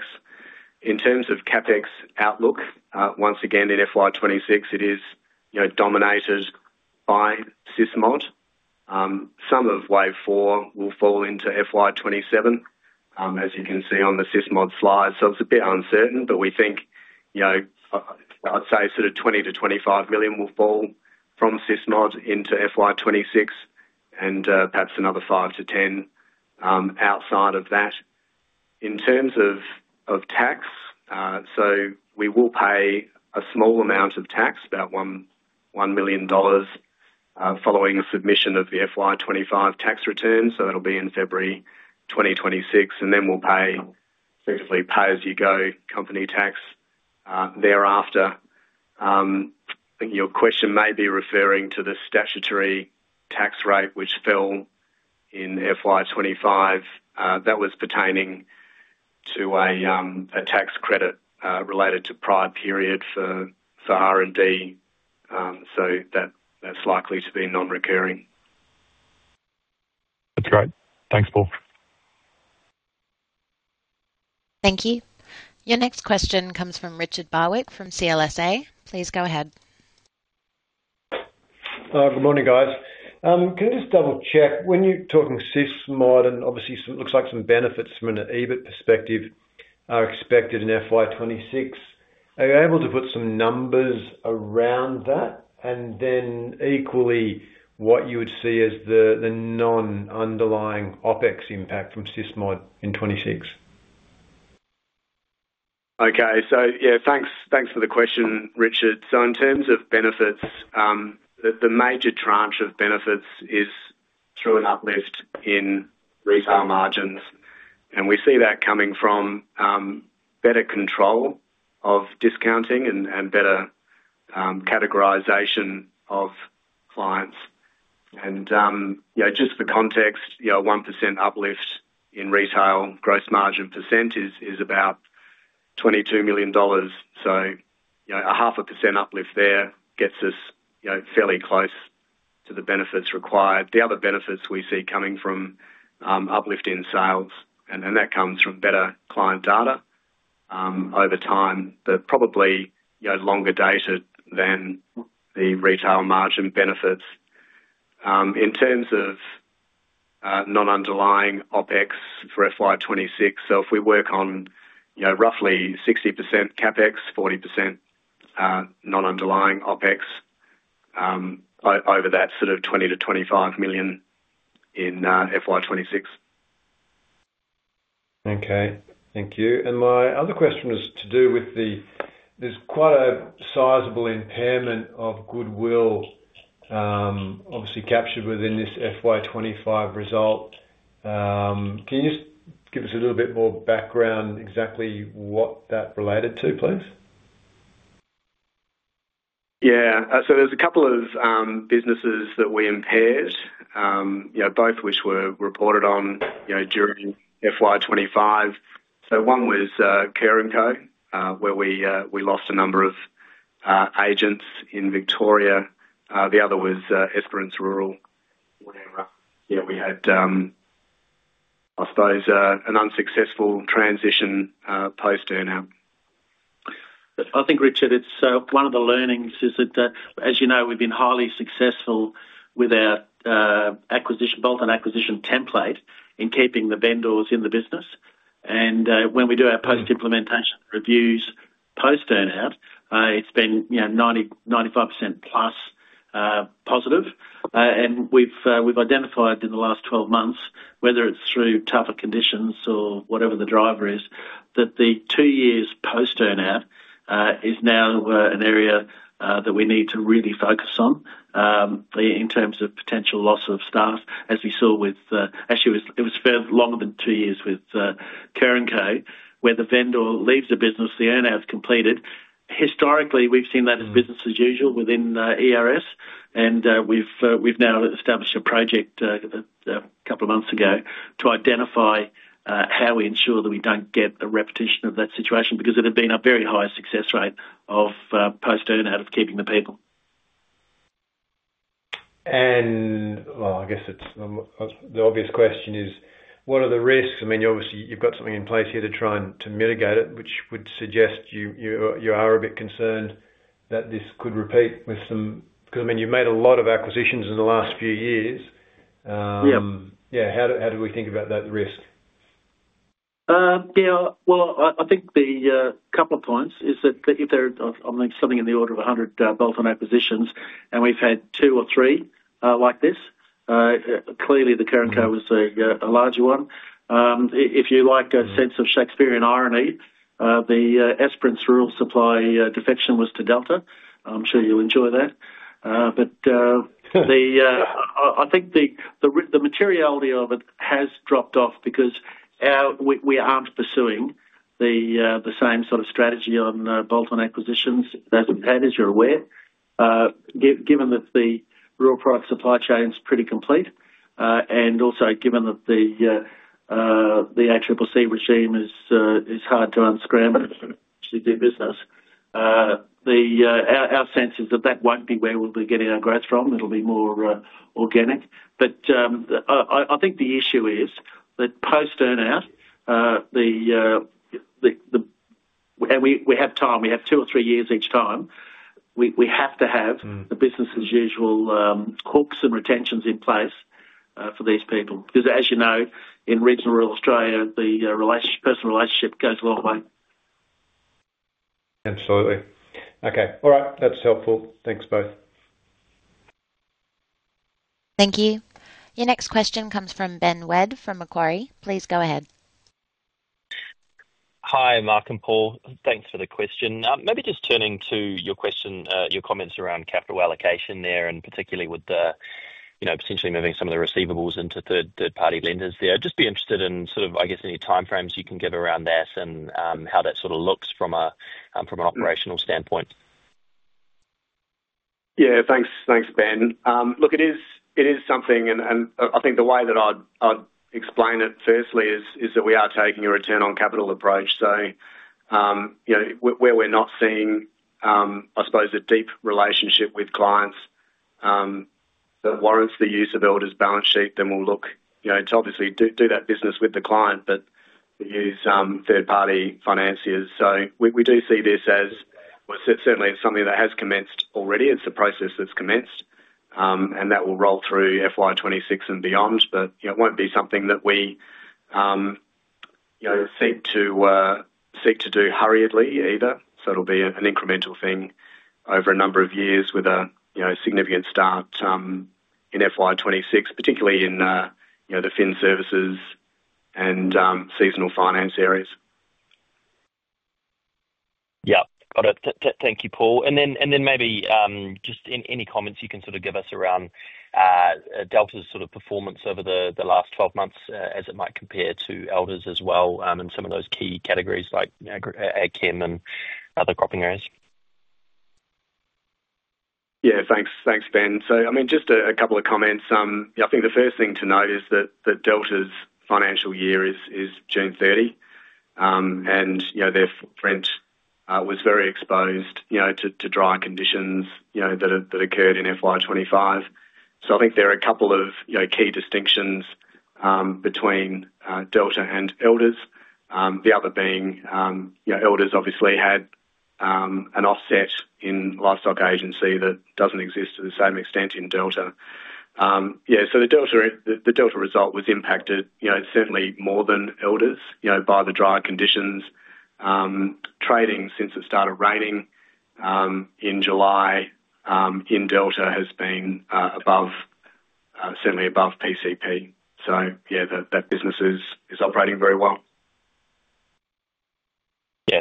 Speaker 2: In terms of CapEx outlook, once again, in FY 2026, it is dominated by SysMod. Some of wave four will fall into FY 2027, as you can see on the SysMod slide. It is a bit uncertain, but we think, I'd say, sort of 20 million-25 million will fall from SysMod into FY 2026, and perhaps another 5 million-10 million outside of that. In terms of tax, we will pay a small amount of tax, about 1 million dollars following the submission of the FY 2025 tax return. That will be in February 2026. We will effectively pay pay-as-you-go company tax thereafter. Your question may be referring to the statutory tax rate, which fell in FY 2025. That was pertaining to a tax credit related to a prior period for R&D. That is likely to be non-recurring.
Speaker 4: That is great. Thanks, Paul.
Speaker 3: Thank you. Your next question comes from Richard Barwick from CLSA. Please go ahead.
Speaker 5: Good morning, guys. Can I just double-check? When you're talking SysMod, and obviously, it looks like some benefits from an EBIT perspective are expected in FY 2026. Are you able to put some numbers around that? And then equally, what you would see as the non-underlying OpEx impact from SysMod in 2026?
Speaker 2: Okay. So yeah, thanks for the question, Richard. In terms of benefits, the major tranche of benefits is through an uplift in retail margins. We see that coming from better control of discounting and better categorization of clients. Just for context, 1% uplift in retail gross margin percentage is about 22 million dollars. A 0.5% uplift there gets us fairly close to the benefits required. The other benefits we see coming from uplift in sales, and that comes from better client data over time, but probably longer data than the retail margin benefits. In terms of non-underlying OpEx for FY 2026, if we work on roughly 60% CapEx, 40% non-underlying OpEx over that sort of 20 million-25 million in FY 2026.
Speaker 5: Okay. Thank you. My other question is to do with the, there's quite a sizable impairment of goodwill, obviously captured within this FY 2025 result. Can you just give us a little bit more background exactly what that related to, please?
Speaker 2: Yeah. There's a couple of businesses that we impaired, both of which were reported on during FY 2025. One was Currin Co, where we lost a number of agents in Victoria. The other was Esperance Rural, where we had, I suppose, an unsuccessful transition post-earnout.
Speaker 1: I think, Richard, it's one of the learnings is that, as you know, we've been highly successful with our acquisition, both an acquisition template in keeping the vendors in the business. When we do our post-implementation reviews post-earnout, it's been 95%+ positive. We've identified in the last 12 months, whether it's through tougher conditions or whatever the driver is, that the two years post-earnout is now an area that we need to really focus on in terms of potential loss of staff, as we saw with actually, it was longer than two years with Currin Co, where the vendor leaves the business, the earnout's completed. Historically, we've seen that as business as usual within ERS. We've now established a project a couple of months ago to identify how we ensure that we don't get a repetition of that situation because it had been a very high success rate of post-earnout of keeping the people.
Speaker 5: I guess the obvious question is, what are the risks? I mean, obviously, you've got something in place here to try and mitigate it, which would suggest you are a bit concerned that this could repeat with some because, I mean, you've made a lot of acquisitions in the last few years.
Speaker 1: Yeah.
Speaker 5: How do we think about that risk?
Speaker 1: Yeah. I think the couple of points is that if there are something in the order of 100 bolt-on acquisitions, and we've had two or three like this, clearly, the Currin Co was a larger one. If you like a sense of Shakespearean irony, the Esperance Rural supply defection was to Delta. I'm sure you'll enjoy that. I think the materiality of it has dropped off because we aren't pursuing the same sort of strategy on bolt-on acquisitions that we've had, as you're aware, given that the raw product supply chain's pretty complete. Also, given that the ACCC regime is hard to unscramble to do business, our sense is that that will not be where we will be getting our growth from. It will be more organic. I think the issue is that post-earnout, and we have time. We have two or three years each time. We have to have the business-as-usual hooks and retentions in place for these people because, as you know, in regional rural Australia, the personal relationship goes a long way.
Speaker 5: Absolutely. Okay. All right. That is helpful. Thanks, both.
Speaker 3: Thank you. Your next question comes from Ben Wedd from Macquarie. Please go ahead.
Speaker 6: Hi, Mark and Paul. Thanks for the question. Maybe just turning to your question, your comments around capital allocation there and particularly with potentially moving some of the receivables into third-party lenders there. I'd just be interested in sort of, I guess, any timeframes you can give around that and how that sort of looks from an operational standpoint.
Speaker 2: Yeah. Thanks, Ben. Look, it is something, and I think the way that I'd explain it firstly is that we are taking a return-on-capital approach. So where we're not seeing, I suppose, a deep relationship with clients that warrants the use of Elders' balance sheet, then we'll look to obviously do that business with the client, but use third-party financiers. So we do see this as certainly something that has commenced already. It's a process that's commenced, and that will roll through FY 2026 and beyond. It won't be something that we seek to do hurriedly either. It'll be an incremental thing over a number of years with a significant start in FY 2026, particularly in the fin services and seasonal finance areas. Yep.
Speaker 6: Got it. Thank you, Paul. Maybe just any comments you can sort of give us around Delta's sort of performance over the last 12 months as it might compare to Elders as well in some of those key categories like ag chem and other cropping areas.
Speaker 1: Yeah. Thanks, Ben. I mean, just a couple of comments. I think the first thing to note is that Delta's financial year is June 30, and their footprint was very exposed to dry conditions that occurred in FY 2025. I think there are a couple of key distinctions between Delta and Elders, the other being Elders obviously had an offset in livestock agency that does not exist to the same extent in Delta. Yeah. The Delta result was impacted certainly more than Elders by the dry conditions. Trading since it started raining in July in Delta has been certainly above PCP. So yeah, that business is operating very well.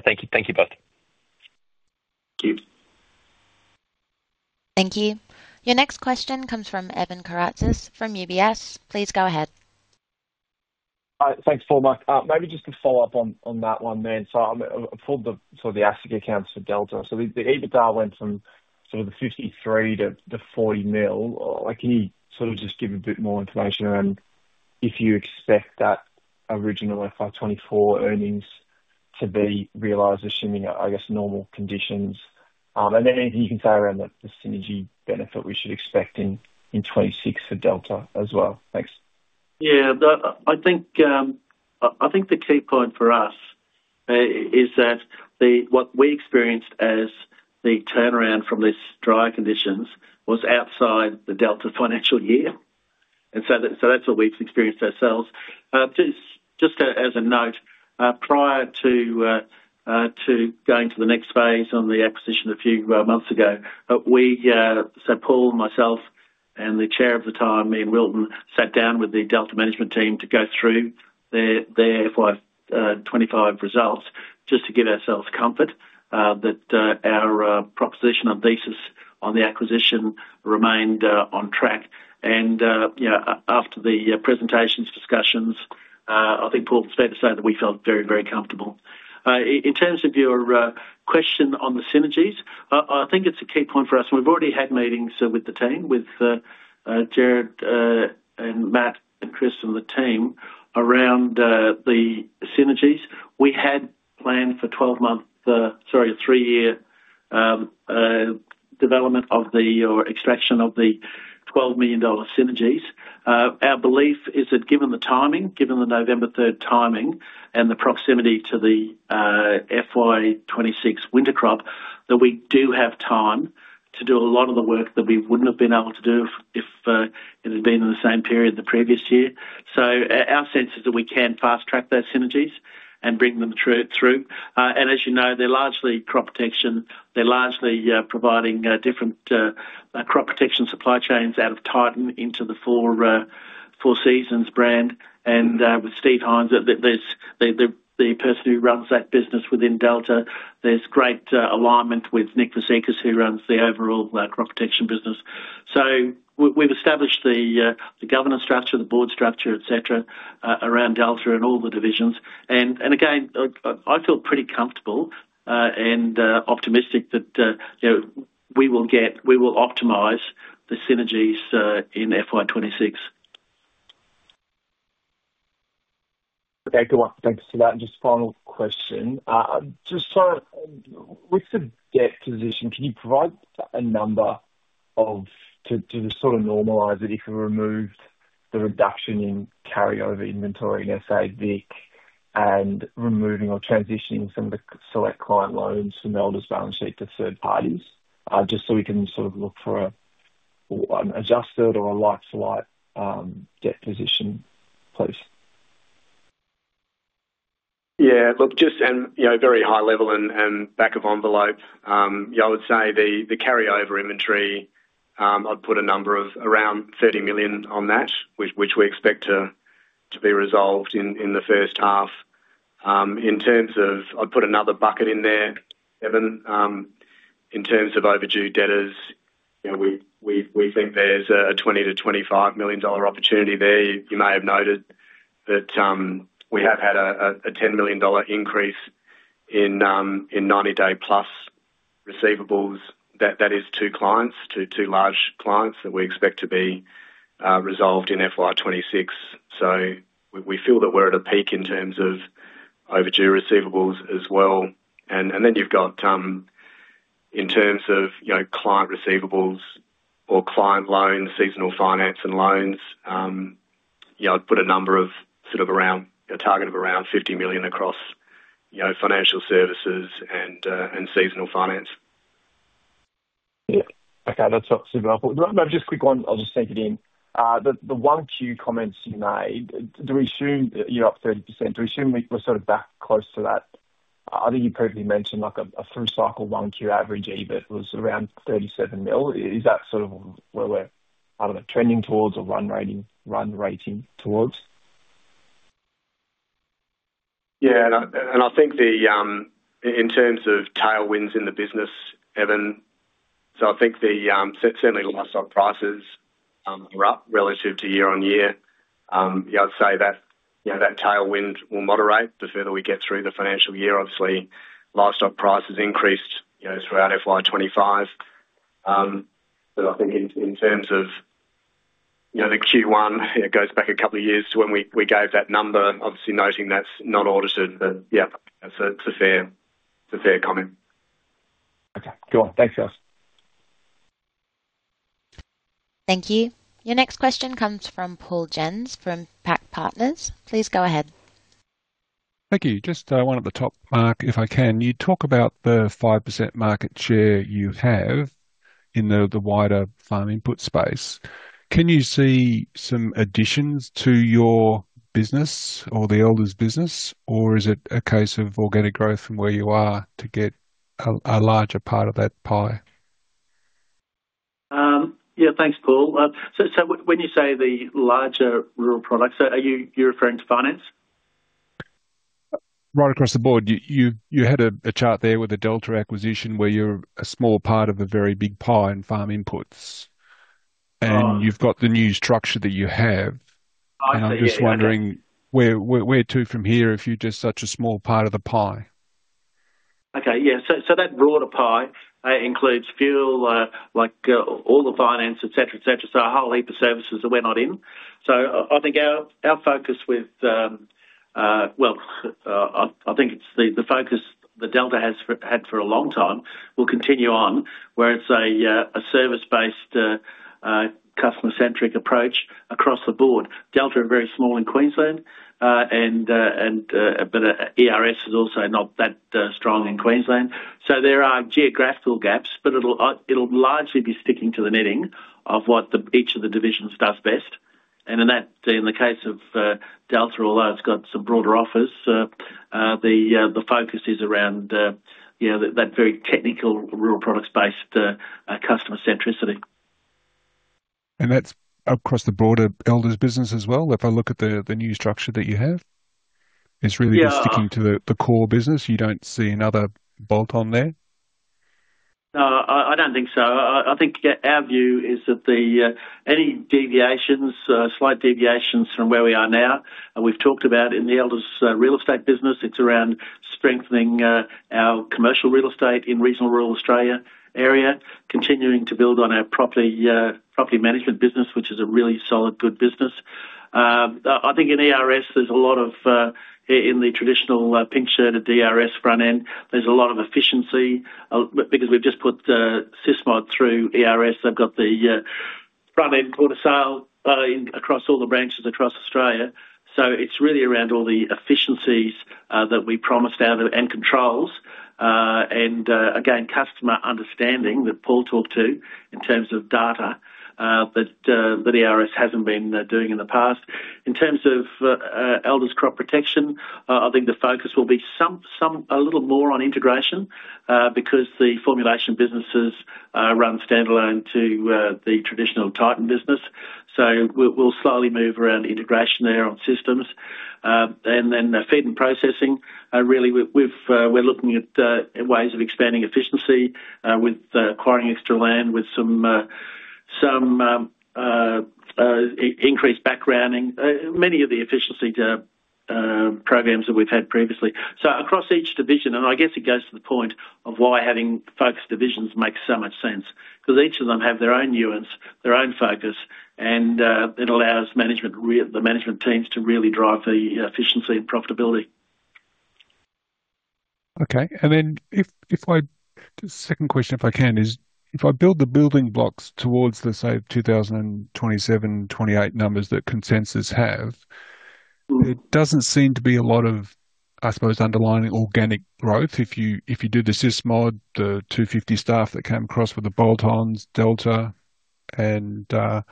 Speaker 6: Thank you. Thank you both.
Speaker 3: Thank you. Thank you. Your next question comes from Evan Karatzas from UBS. Please go ahead.
Speaker 7: Thanks, Paul. Maybe just to follow up on that one then. For the asset accounts for Delta, the EBITDA went from sort of the 53 million-40 million. Can you just give a bit more information around if you expect that original FY 2024 earnings to be realized assuming, I guess, normal conditions? Anything you can say around the synergy benefit we should expect in 2026 for Delta as well? Thanks.
Speaker 1: I think the key point for us is that what we experienced as the turnaround from these dry conditions was outside the Delta financial year. That is what we have experienced ourselves. Just as a note, prior to going to the next phase on the acquisition a few months ago, Paul, myself, and the Chair at the time, Ian Wilton, sat down with the Delta management team to go through their FY 2025 results just to give ourselves comfort that our proposition and thesis on the acquisition remained on track. After the presentations, discussions, I think, Paul, it is fair to say that we felt very, very comfortable. In terms of your question on the synergies, I think it is a key point for us. We have already had meetings with the team, with Jared and Matt and Chris and the team around the synergies. We had planned for a 12-month, sorry, a three-year development of the or extraction of the 12 million dollar synergies. Our belief is that given the timing, given the November 3rd timing and the proximity to the FY 2026 winter crop, that we do have time to do a lot of the work that we would not have been able to do if it had been in the same period the previous year. Our sense is that we can fast-track those synergies and bring them through. As you know, they are largely crop protection. They are largely providing different crop protection supply chains out of Titan into the Four Seasons brand. With Steve Hines, the person who runs that business within Delta, there is great alignment with Nick Fisicus, who runs the overall crop protection business. We have established the governance structure, the board structure, etc., around Delta and all the divisions. I feel pretty comfortable and optimistic that we will optimize the synergies in FY 2026.
Speaker 7: Okay. Good one. Thanks for that. Just final question. Just sort of with the debt position, can you provide a number to sort of normalize it if we remove the reduction in carryover inventory in SAVIC and removing or transitioning some of the select client loans from Elders' balance sheet to third parties just so we can sort of look for an adjusted or a like-for-like debt position, please?
Speaker 2: Yeah. Look, just very high level and back of envelope, I would say the carryover inventory, I'd put a number of around 30 million on that, which we expect to be resolved in the first half. In terms of I'd put another bucket in there, Evan. In terms of overdue debtors, we think there's a 20 million-25 million dollar opportunity there. You may have noted that we have had a 10 million dollar increase in 90-day plus receivables. That is two clients, two large clients that we expect to be resolved in FY 2026. We feel that we're at a peak in terms of overdue receivables as well. In terms of client receivables or client loans, seasonal finance and loans, I'd put a number of sort of around a target of around 50 million across financial services and seasonal finance.
Speaker 7: Okay. That's not super helpful. Just a quick one. I'll just take it in. The one-queue comments you made, do we assume you're up 30%? Do we assume we're sort of back close to that? I think you previously mentioned a through cycle one-queue average EBIT was around 37 million. Is that sort of where we're, I don't know, trending towards or run rating towards?
Speaker 1: Yeah. I think in terms of tailwinds in the business, Evan, I think certainly livestock prices are up relative to year on year. I'd say that tailwind will moderate the further we get through the financial year. Obviously, livestock prices increased throughout FY 2025. I think in terms of the Q1, it goes back a couple of years to when we gave that number, obviously noting that's not audited. Yeah, it's a fair comment.
Speaker 7: Okay. Good one. Thanks, guys.
Speaker 3: Thank you. Your next question comes from Paul Jensz from PAC Partners. Please go ahead.
Speaker 8: Thank you. Just one at the top, Mark, if I can. You talk about the 5% market share you have in the wider farm input space. Can you see some additions to your business or the Elders' business, or is it a case of organic growth from where you are to get a larger part of that pie?
Speaker 1: Yeah. Thanks, Paul. When you say the larger rural products, are you referring to finance?
Speaker 8: Right across the board. You had a chart there with a Delta acquisition where you're a small part of a very big pie in farm inputs. You've got the new structure that you have. I'm just wondering, where to from here if you're just such a small part of the pie?
Speaker 1: Okay. That broader pie includes fuel, all the finance, etc., etc. A whole heap of services that we're not in. I think our focus with, well, I think it's the focus that Delta has had for a long time, will continue on, where it's a service-based, customer-centric approach across the board. Delta are very small in Queensland, and ERS is also not that strong in Queensland. There are geographical gaps, but it'll largely be sticking to the netting of what each of the divisions does best. In the case of Delta, although it's got some broader offers, the focus is around that very technical rural products-based customer-centricity.
Speaker 8: That's across the broader Elders' business as well, if I look at the new structure that you have. It's really just sticking to the core business. You don't see another bolt-on there?
Speaker 1: No, I don't think so. I think our view is that any deviations, slight deviations from where we are now, we've talked about in the Elders real estate business, it's around strengthening our commercial real estate in regional rural Australia area, continuing to build on our property management business, which is a really solid, good business. I think in ERS, there's a lot of in the traditional pink-shirted DRS front end, there's a lot of efficiency because we've just put SysMod through ERS. They've got the front-end corner sale across all the branches across Australia. It is really around all the efficiencies that we promised out of and controls. Again, customer understanding that Paul talked to in terms of data that ERS has not been doing in the past. In terms of Elders' crop protection, I think the focus will be a little more on integration because the formulation businesses run standalone to the traditional Titan business. We will slowly move around integration there on systems. In the feed and processing, really, we are looking at ways of expanding efficiency with acquiring extra land with some increased backgrounding, many of the efficiency programs that we have had previously. Across each division, and I guess it goes to the point of why having focused divisions makes so much sense because each of them have their own nuance, their own focus, and it allows the management teams to really drive the efficiency and profitability.
Speaker 8: Okay. Just a second question, if I can, is if I build the building blocks towards the, say, 2027, 2028 numbers that consensus have, it does not seem to be a lot of, I suppose, underlying organic growth. If you do the SysMod, the 250 staff that came across with the bolt-ons, Delta, and the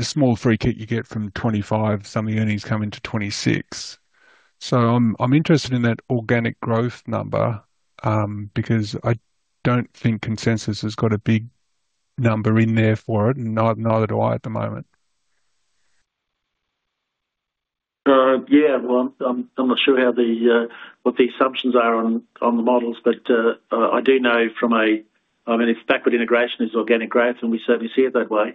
Speaker 8: small free kit you get from 2025, some of the earnings come into 2026. I am interested in that organic growth number because I do not think consensus has got a big number in there for it, and neither do I at the moment.
Speaker 2: Yeah. I'm not sure what the assumptions are on the models, but I do know from a, I mean, if backward integration is organic growth, and we certainly see it that way,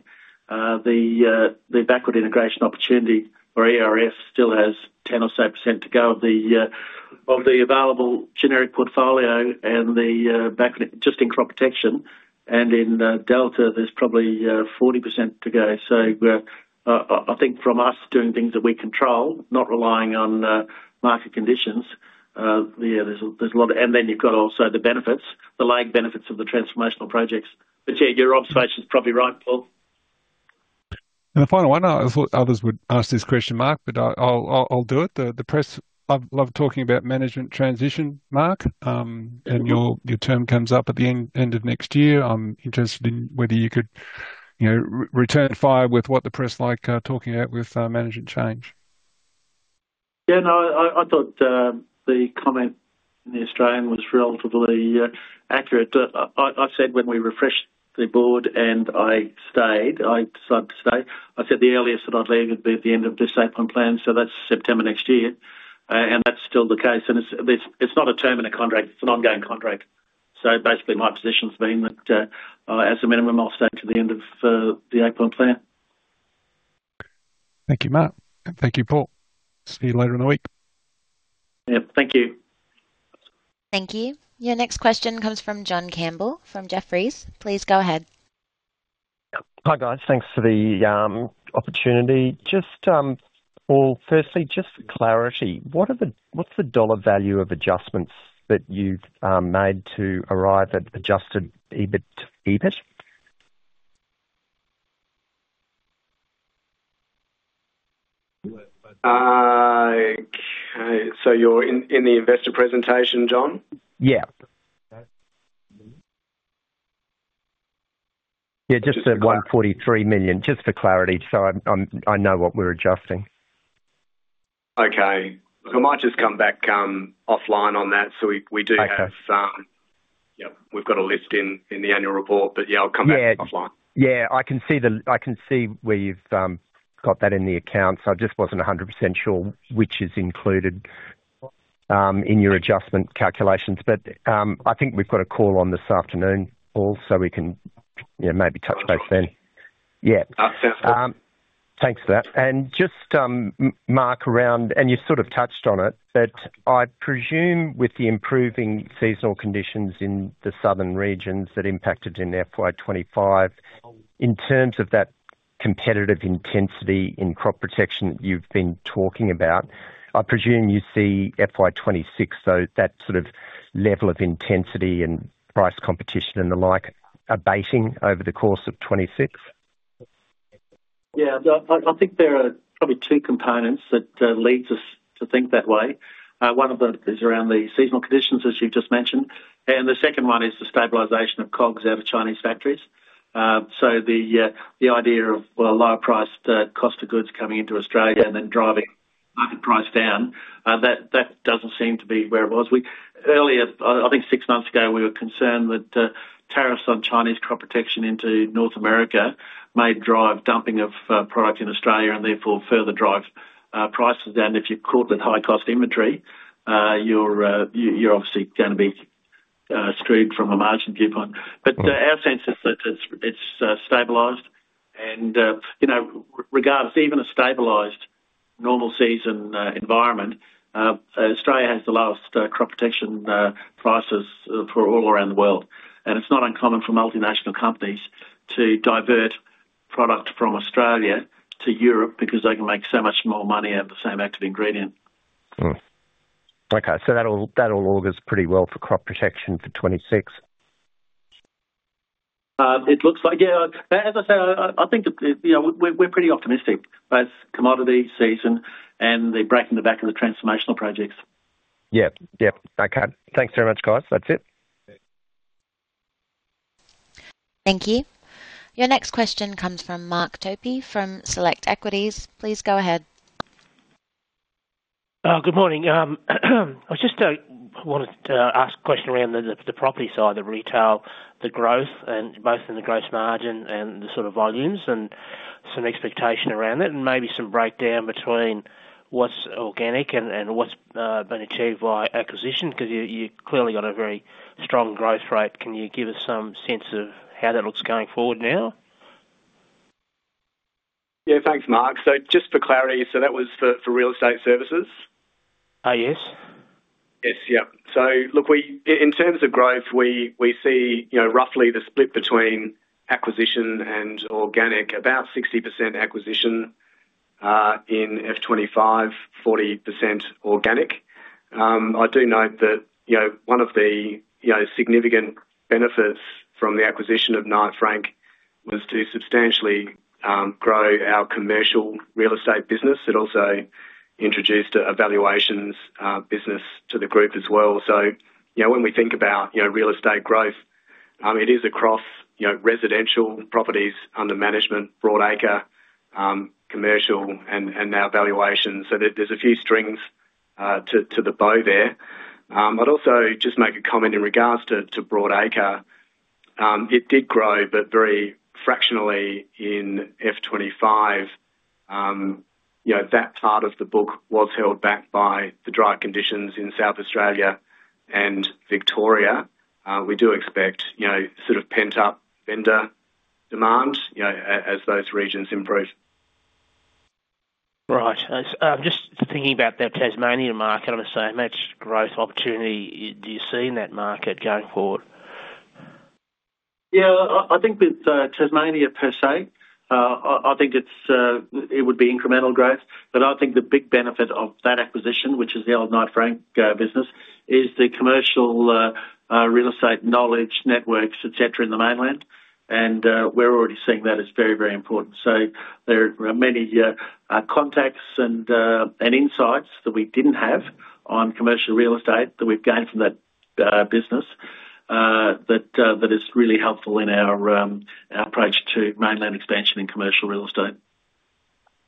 Speaker 2: the backward integration opportunity for ERS still has 10% or so to go of the available generic portfolio and just in crop protection. In Delta, there's probably 40% to go. I think from us doing things that we control, not relying on market conditions, there's a lot of, and then you've got also the benefits, the lag benefits of the transformational projects. Yeah, your observation's probably right, Paul.
Speaker 8: The final one, I thought others would ask this question, Mark, but I'll do it. The press love talking about management transition, Mark. Your term comes up at the end of next year. I'm interested in whether you could return fire with what the press like talking about with management change.
Speaker 1: Yeah. No, I thought the comment in The Australian was relatively accurate. I said when we refreshed the board and I stayed, I decided to stay. I said the earliest that I'd leave would be at the end of this Eight Point plan. So that's September next year. And that's still the case. And it's not a term in a contract. It's an ongoing contract. So basically, my position's been that as a minimum, I'll stay to the end of the Eight Point plan.
Speaker 8: Thank you, Mark. Thank you, Paul. See you later in the week.
Speaker 1: Yep. Thank you.
Speaker 3: Thank you. Your next question comes from John Campbell from Jefferies. Please go ahead.
Speaker 9: Hi, guys. Thanks for the opportunity. Firstly, just for clarity, what's the dollar value of adjustments that you've made to arrive at adjusted EBIT?
Speaker 1: Okay. So you're in the investor presentation, John?
Speaker 9: Yeah. Yeah.
Speaker 1: Just the 143 million, just for clarity, so I know what we're adjusting.
Speaker 9: Okay.
Speaker 1: I might just come back offline on that. We do have,
Speaker 9: yep,
Speaker 1: we've got a list in the annual report. But yeah, I'll come back offline.
Speaker 9: Yeah. I can see where you've got that
Speaker 1: in the account. I just wasn't 100% sure which is included in your adjustment calculations. I think we've got a call on this afternoon, Paul, so we can maybe touch base then.
Speaker 9: Yeah. Sounds good.
Speaker 1: Thanks for that.
Speaker 9: Just, Mark, around, and you sort of touched on it, but I presume with the improving seasonal conditions in the southern regions that impacted in FY 2025, in terms of that competitive intensity in crop protection that you've been talking about, I presume you see FY 2026, though, that sort of level of intensity and price competition and the like abating over the course of 2026?
Speaker 1: Yeah. I think there are probably two components that lead us to think that way. One of them is around the seasonal conditions, as you've just mentioned. The second one is the stabilization of cogs out of Chinese factories. The idea of lower-priced cost of goods coming into Australia and then driving market price down, that does not seem to be where it was. Earlier, I think six months ago, we were concerned that tariffs on Chinese crop protection into North America may drive dumping of product in Australia and therefore further drive prices. If you're caught with high-cost inventory, you're obviously going to be screwed from a margin coupon. Our sense is that it's stabilized. Regardless, even a stabilized normal season environment, Australia has the lowest crop protection prices for all around the world. It's not uncommon for multinational companies to divert product from Australia to Europe because they can make so much more money out of the same active ingredient.
Speaker 9: Okay. That all augurs pretty well for crop protection for 2026? It looks like,
Speaker 1: Yeah. As I say, I think we're pretty optimistic, both commodity season and the break in the back of the transformational projects.
Speaker 9: Yep. Yep. Okay. Thanks very much, guys. That's it.
Speaker 3: Thank you. Your next question comes from Mark Topy from Select Equities. Please go ahead.
Speaker 10: Good morning. I just wanted to ask a question around the property side, the retail, the growth, and both in the gross margin and the sort of volumes and some expectation around that, and maybe some breakdown between what's organic and what's been achieved by acquisition because you've clearly got a very strong growth rate. Can you give us some sense of how that looks going forward now?
Speaker 1: Yeah. Thanks, Mark. Just for clarity, that was for real estate services?
Speaker 10: Yes. Yes.
Speaker 1: Yep. In terms of growth, we see roughly the split between acquisition and organic, about 60% acquisition in FY 2025, 40% organic. I do note that one of the significant benefits from the acquisition of Knight Frank was to substantially grow our commercial real estate business. It also introduced valuations business to the group as well. When we think about real estate growth, it is across residential properties under management, broad acre, commercial, and now valuation. There are a few strings to the bow there. I'd also just make a comment in regards to broad acre. It did grow, but very fractionally in FY 2025. That part of the book was held back by the dry conditions in South Australia and Victoria. We do expect sort of pent-up vendor demand as those regions improve.
Speaker 10: Right. Just thinking about that Tasmanian market, I'm going to say, how much growth opportunity do you see in that market going forward?
Speaker 1: Yeah. I think with Tasmania per se, I think it would be incremental growth. I think the big benefit of that acquisition, which is the old Knight Frank business, is the commercial real estate knowledge networks, etc., in the mainland. We're already seeing that as very, very important. There are many contacts and insights that we did not have on commercial real estate that we have gained from that business that is really helpful in our approach to mainland expansion and commercial real estate.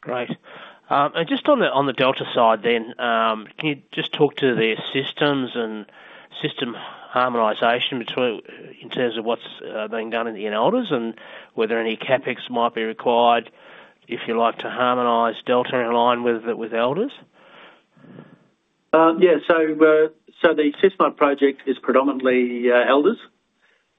Speaker 10: Great. Just on the Delta side then, can you talk to their systems and system harmonization in terms of what is being done in Elders and whether any CapEx might be required if you would like to harmonize Delta in line with Elders?
Speaker 1: Yeah. The SysMod project is predominantly Elders.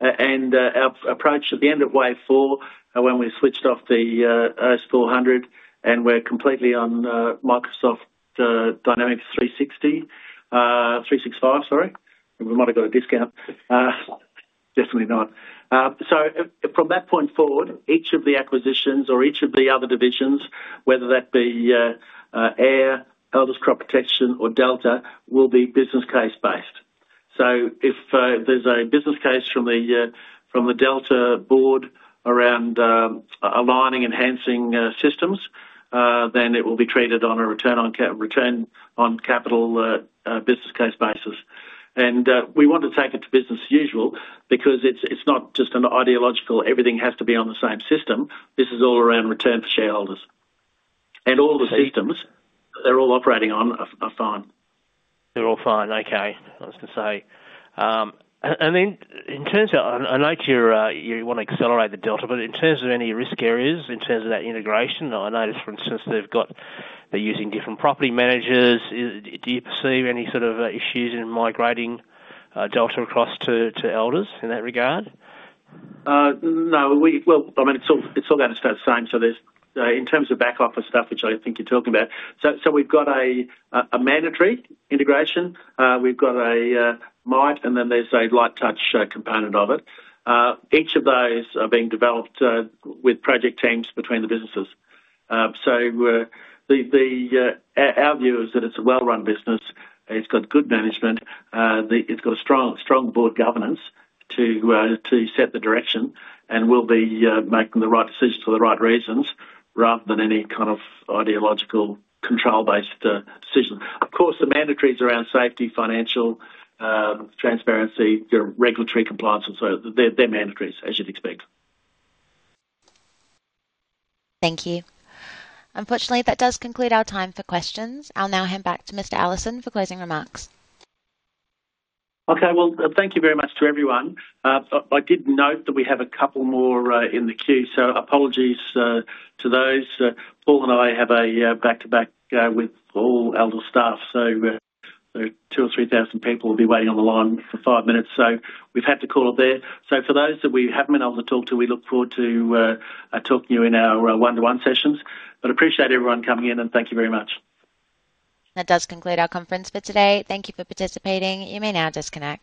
Speaker 1: Our approach at the end of wave four, when we switched off the S400 and we are completely on Microsoft Dynamics 365, sorry. We might have got a discount. Definitely not. From that point forward, each of the acquisitions or each of the other divisions, whether that be air, Elders' crop protection, or Delta, will be business case-based. If there is a business case from the Delta board around aligning, enhancing systems, then it will be treated on a return on capital business case basis. We want to take it to business as usual because it is not just an ideological, everything has to be on the same system. This is all around return for shareholders. All the systems they are all operating on are fine.
Speaker 10: They are all fine. Okay. I was going to say. In terms of I know you want to accelerate the Delta, but in terms of any risk areas, in terms of that integration, I noticed, for instance, they are using different property managers. Do you perceive any sort of issues in migrating Delta across to Elders in that regard?
Speaker 1: No. I mean, it's all going to stay the same. In terms of backup and stuff, which I think you're talking about, we've got a mandatory integration. We've got a might, and then there's a light touch component of it. Each of those are being developed with project teams between the businesses. Our view is that it's a well-run business. It's got good management. It's got strong board governance to set the direction and will be making the right decisions for the right reasons rather than any kind of ideological control-based decision. Of course, the mandatories around safety, financial transparency, regulatory compliance, and so they're mandatories, as you'd expect.
Speaker 3: Thank you. Unfortunately, that does conclude our time for questions. I'll now hand back to Mr. Allison for closing remarks.
Speaker 1: Okay. Thank you very much to everyone. I did note that we have a couple more in the queue. Apologies to those. Paul and I have a back-to-back with all Elders' staff. Two or three thousand people will be waiting on the line for five minutes. We have had to call it there. For those that we have not been able to talk to, we look forward to talking to you in our one-to-one sessions. Appreciate everyone coming in, and thank you very much.
Speaker 3: That does conclude our conference for today. Thank you for participating. You may now disconnect.